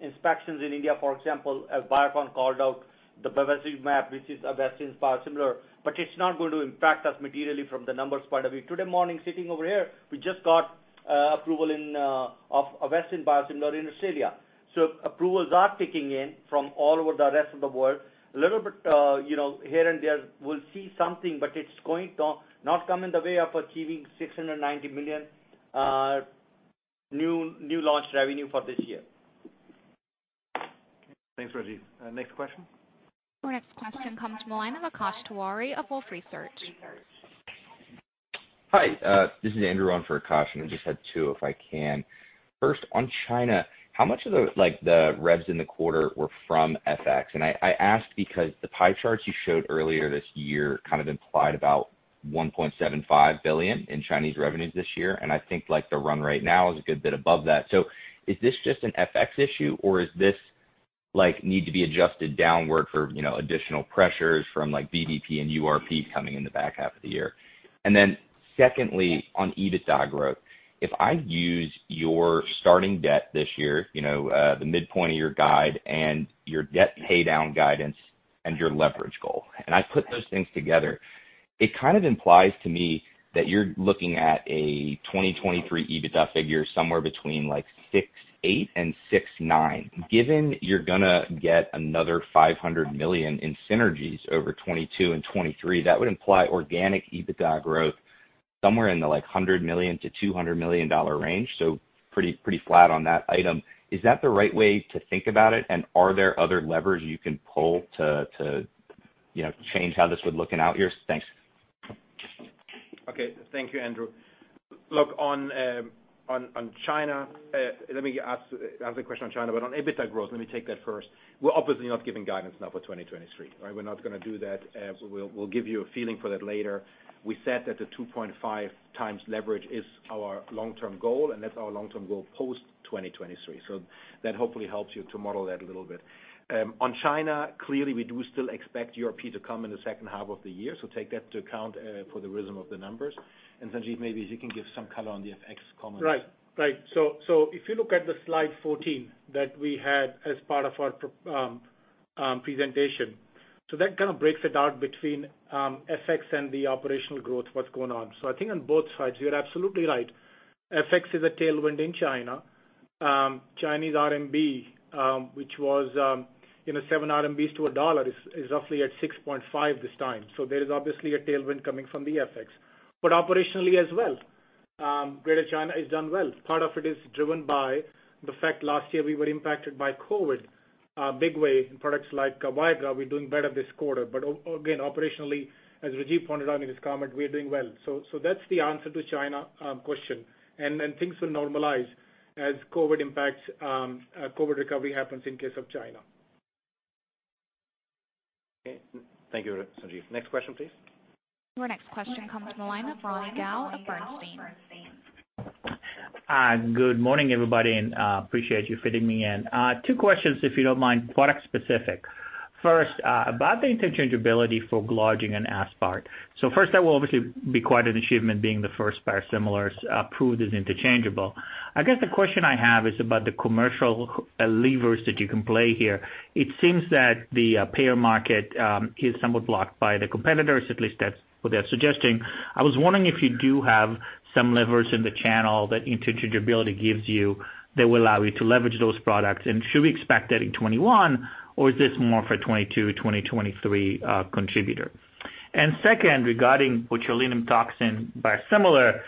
inspections in India, for example, as Biocon called out the bevacizumab, which is Avastin biosimilar. it's not going to impact us materially from the numbers point of view. Today morning sitting over here, we just got approval of Avastin biosimilar in Australia. approvals are kicking in from all over the rest of the world. A little bit here and there we'll see something, but it's going to not come in the way of achieving $690 million new launch revenue for this year. Thanks, Rajiv. Next question. Our next question comes from the line of Akash Tiwari of Wolfe Research. Hi. This is Andrew on for Akash, and I just had two, if I can. First, on China, how much of the revs in the quarter were from FX? I ask because the pie charts you showed earlier this year kind of implied about $1.75 billion in Chinese revenues this year, and I think the run rate now is a good bit above that. Is this just an FX issue or is this need to be adjusted downward for additional pressures from VBP and URP coming in the back half of the year? Secondly, on EBITDA growth, if I use your starting debt this year, the midpoint of your guide and your debt paydown guidance and your leverage goal, and I put those things together, it kind of implies to me that you're looking at a 2023 EBITDA figure somewhere between like 6.8 and 6.9. Given you're going to get another 500 million in synergies over 2022 and 2023, that would imply organic EBITDA growth somewhere in the $100 million to $200 million range, so pretty flat on that item. Is that the right way to think about it? Are there other levers you can pull to change how this would look in out years? Thanks. Okay. Thank you, Andrew. Look, on China, let me ask the other question on China, but on EBITDA growth, let me take that first. We're obviously not giving guidance now for 2023, right? We're not going to do that. We'll give you a feeling for that later. We said that the 2.5x leverage is our long-term goal, and that's our long-term goal post-2023. That hopefully helps you to model that a little bit. On China, clearly, we do still expect URP to come in the second half of the year, so take that into account for the rhythm of the numbers. Sanjeev, maybe you can give some color on the FX comments. Right. If you look at the slide 14 that we had as part of our presentation, so that kind of breaks it out between FX and the operational growth, what's going on. I think on both sides, you're absolutely right. FX is a tailwind in China. Chinese RMB, which was 7 RMB to a dollar, is roughly at 6.5 this time. There is obviously a tailwind coming from the FX. Operationally as well, Greater China has done well. Part of it is driven by the fact last year we were impacted by COVID, big way in products like Viagra, we're doing better this quarter. Again, operationally, as Rajiv pointed out in his comment, we are doing well. That's the answer to China question, and things will normalize as COVID recovery happens in case of China. Okay. Thank you, Sanjeev. Next question, please. Your next question comes from the line of Ronny Gal of Bernstein. Good morning, everybody, and appreciate you fitting me in. Two questions, if you don't mind, product specific. First, about the interchangeability for glargine and aspart. First, that will obviously be quite an achievement being the first biosimilar approved as interchangeable. I guess the question I have is about the commercial levers that you can play here. It seems that the payer market is somewhat blocked by the competitors, at least that's what they're suggesting. I was wondering if you do have some levers in the channel that interchangeability gives you that will allow you to leverage those products, and should we expect that in 2021 or is this more for 2022, 2023 contributor? Second, regarding botulinum toxin biosimilar,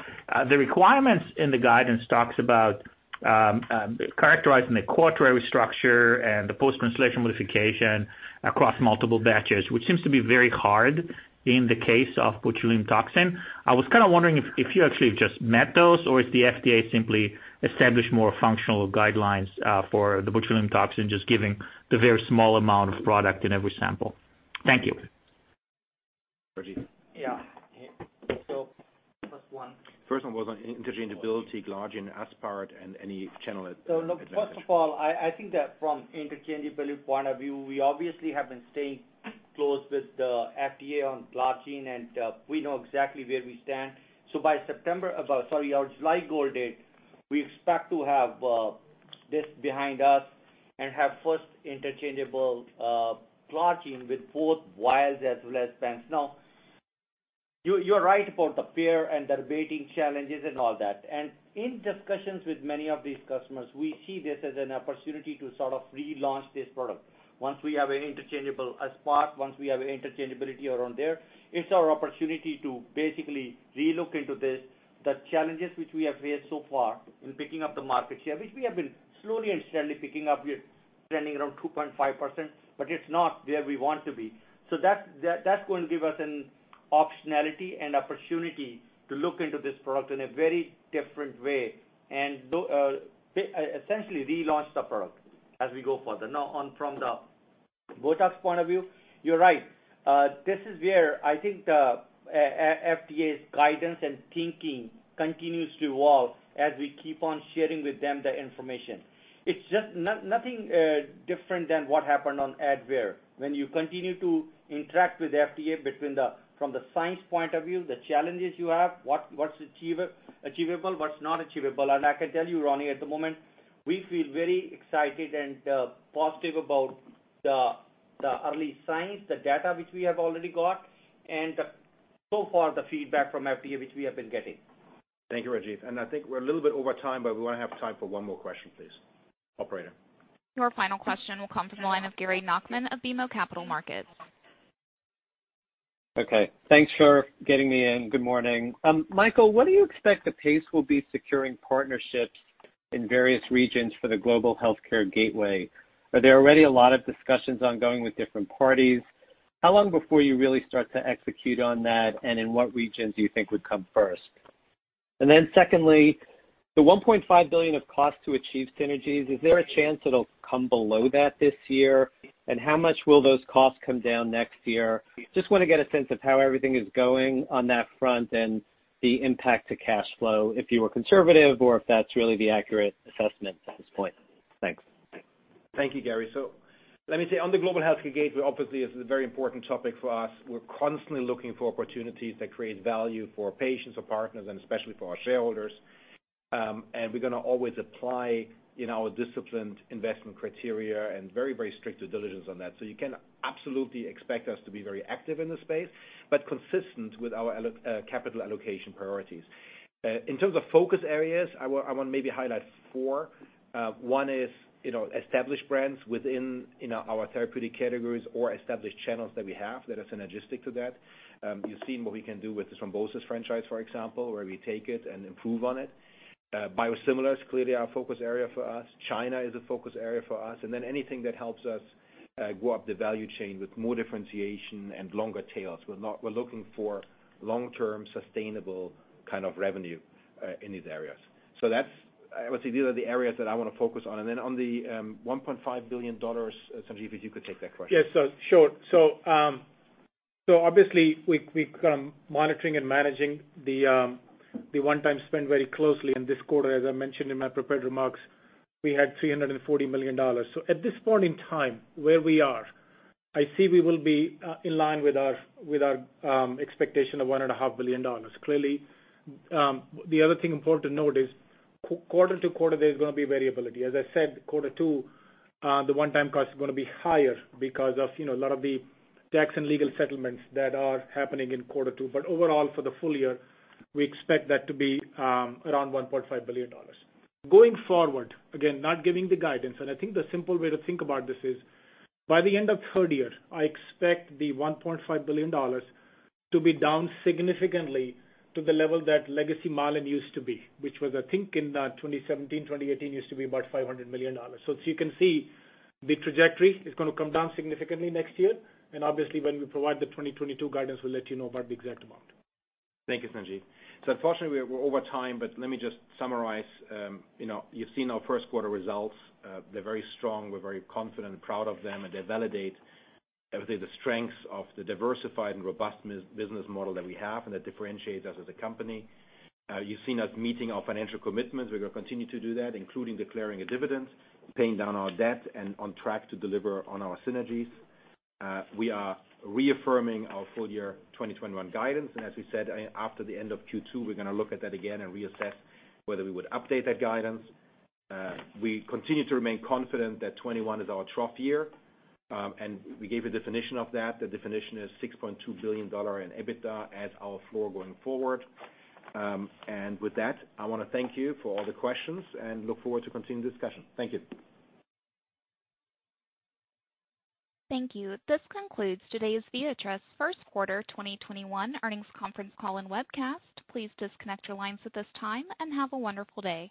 the requirements in the guidance talks about characterizing the quaternary structure and the post-translational modification across multiple batches, which seems to be very hard in the case of botulinum toxin. I was kind of wondering if you actually just met those, or if the FDA simply established more functional guidelines for the botulinum toxin, just giving the very small amount of product in every sample. Thank you. Rajiv. Yeah. first one. First one was on interchangeability glargine, aspart, and any channel advantage. First of all, I think that from interchangeability point of view, we obviously have been staying close with the FDA on glargine, and we know exactly where we stand. By our July goal date, we expect to have this behind us and have first interchangeable glargine with both vials as well as pens. Now, you're right about the payer and the rebate challenges and all that, and in discussions with many of these customers, we see this as an opportunity to sort of relaunch this product. Once we have an interchangeable aspart, once we have interchangeability around there, it's our opportunity to basically relook into this, the challenges which we have faced so far in picking up the market share, which we have been slowly and steadily picking up. We are standing around 2.5%, but it's not where we want to be. That's going to give us an optionality and opportunity to look into this product in a very different way, and essentially relaunch the product as we go further. Now from the Botox point of view, you're right. This is where I think the FDA's guidance and thinking continues to evolve as we keep on sharing with them the information. It's just nothing different than what happened on Advair. When you continue to interact with FDA from the science point of view, the challenges you have, what's achievable, what's not achievable. I can tell you, Ronny, at the moment, we feel very excited and positive about the early signs, the data which we have already got, and so far, the feedback from FDA, which we have been getting. Thank you, Rajiv. I think we're a little bit over time, but we want to have time for one more question, please. Operator. Your final question will come from the line of Gary Nachman of BMO Capital Markets. Okay. Thanks for getting me in. Good morning. Michael, what do you expect the pace will be securing partnerships in various regions for the Global Healthcare Gateway? Are there already a lot of discussions ongoing with different parties? How long before you really start to execute on that, and in what regions do you think would come first? Secondly, the $1.5 billion of cost to achieve synergies, is there a chance it'll come below that this year? How much will those costs come down next year? Just want to get a sense of how everything is going on that front and the impact to cash flow if you were conservative or if that's really the accurate assessment at this point. Thanks. Thank you, Gary. Let me say, on the Global Healthcare Gateway, obviously, this is a very important topic for us. We're constantly looking for opportunities that create value for patients or partners, and especially for our shareholders. we're going to always apply our disciplined investment criteria and very, very strict due diligence on that. you can absolutely expect us to be very active in the space, but consistent with our capital allocation priorities. In terms of focus areas, I want to maybe highlight four. One is established brands within our therapeutic categories or established channels that we have that are synergistic to that. You've seen what we can do with the thrombosis franchise, for example, where we take it and improve on it. Biosimilars, clearly our focus area for us. China is a focus area for us, and then anything that helps us go up the value chain with more differentiation and longer tails. We're looking for long-term sustainable kind of revenue in these areas. I would say these are the areas that I want to focus on. On the $1.5 billion, Sanjeev, if you could take that question. Yes, sure. Obviously we've been monitoring and managing the one-time spend very closely. In this quarter, as I mentioned in my prepared remarks, we had $340 million. At this point in time, where we are, I see we will be in line with our expectation of $1.5 billion. Clearly, the other thing important to note is quarter-to-quarter, there's going to be variability. As I said, quarter two, the one-time cost is going to be higher because of a lot of the tax and legal settlements that are happening in quarter two. Overall, for the full year, we expect that to be around $1.5 billion. Going forward, again, not giving the guidance, and I think the simple way to think about this is by the end of third year, I expect the $1.5 billion to be down significantly to the level that legacy Mylan used to be, which was, I think in 2017, 2018, used to be about $500 million. As you can see, the trajectory is going to come down significantly next year, and obviously when we provide the 2022 guidance, we'll let you know about the exact amount. Thank you, Sanjeev. Unfortunately, we're over time, but let me just summarize. You've seen our first quarter results. They're very strong. We're very confident and proud of them, and they validate, I would say, the strengths of the diversified and robust business model that we have and that differentiates us as a company. You've seen us meeting our financial commitments. We're going to continue to do that, including declaring a dividend, paying down our debt and on track to deliver on our synergies. We are reaffirming our full year 2021 guidance. As we said, after the end of Q2, we're going to look at that again and reassess whether we would update that guidance. We continue to remain confident that 2021 is our trough year. We gave a definition of that. The definition is $6.2 billion in EBITDA as our floor going forward. With that, I want to thank you for all the questions and look forward to continuing the discussion. Thank you. Thank you. This concludes today's Viatris first quarter 2021 earnings conference call and webcast. Please disconnect your lines at this time and have a wonderful day.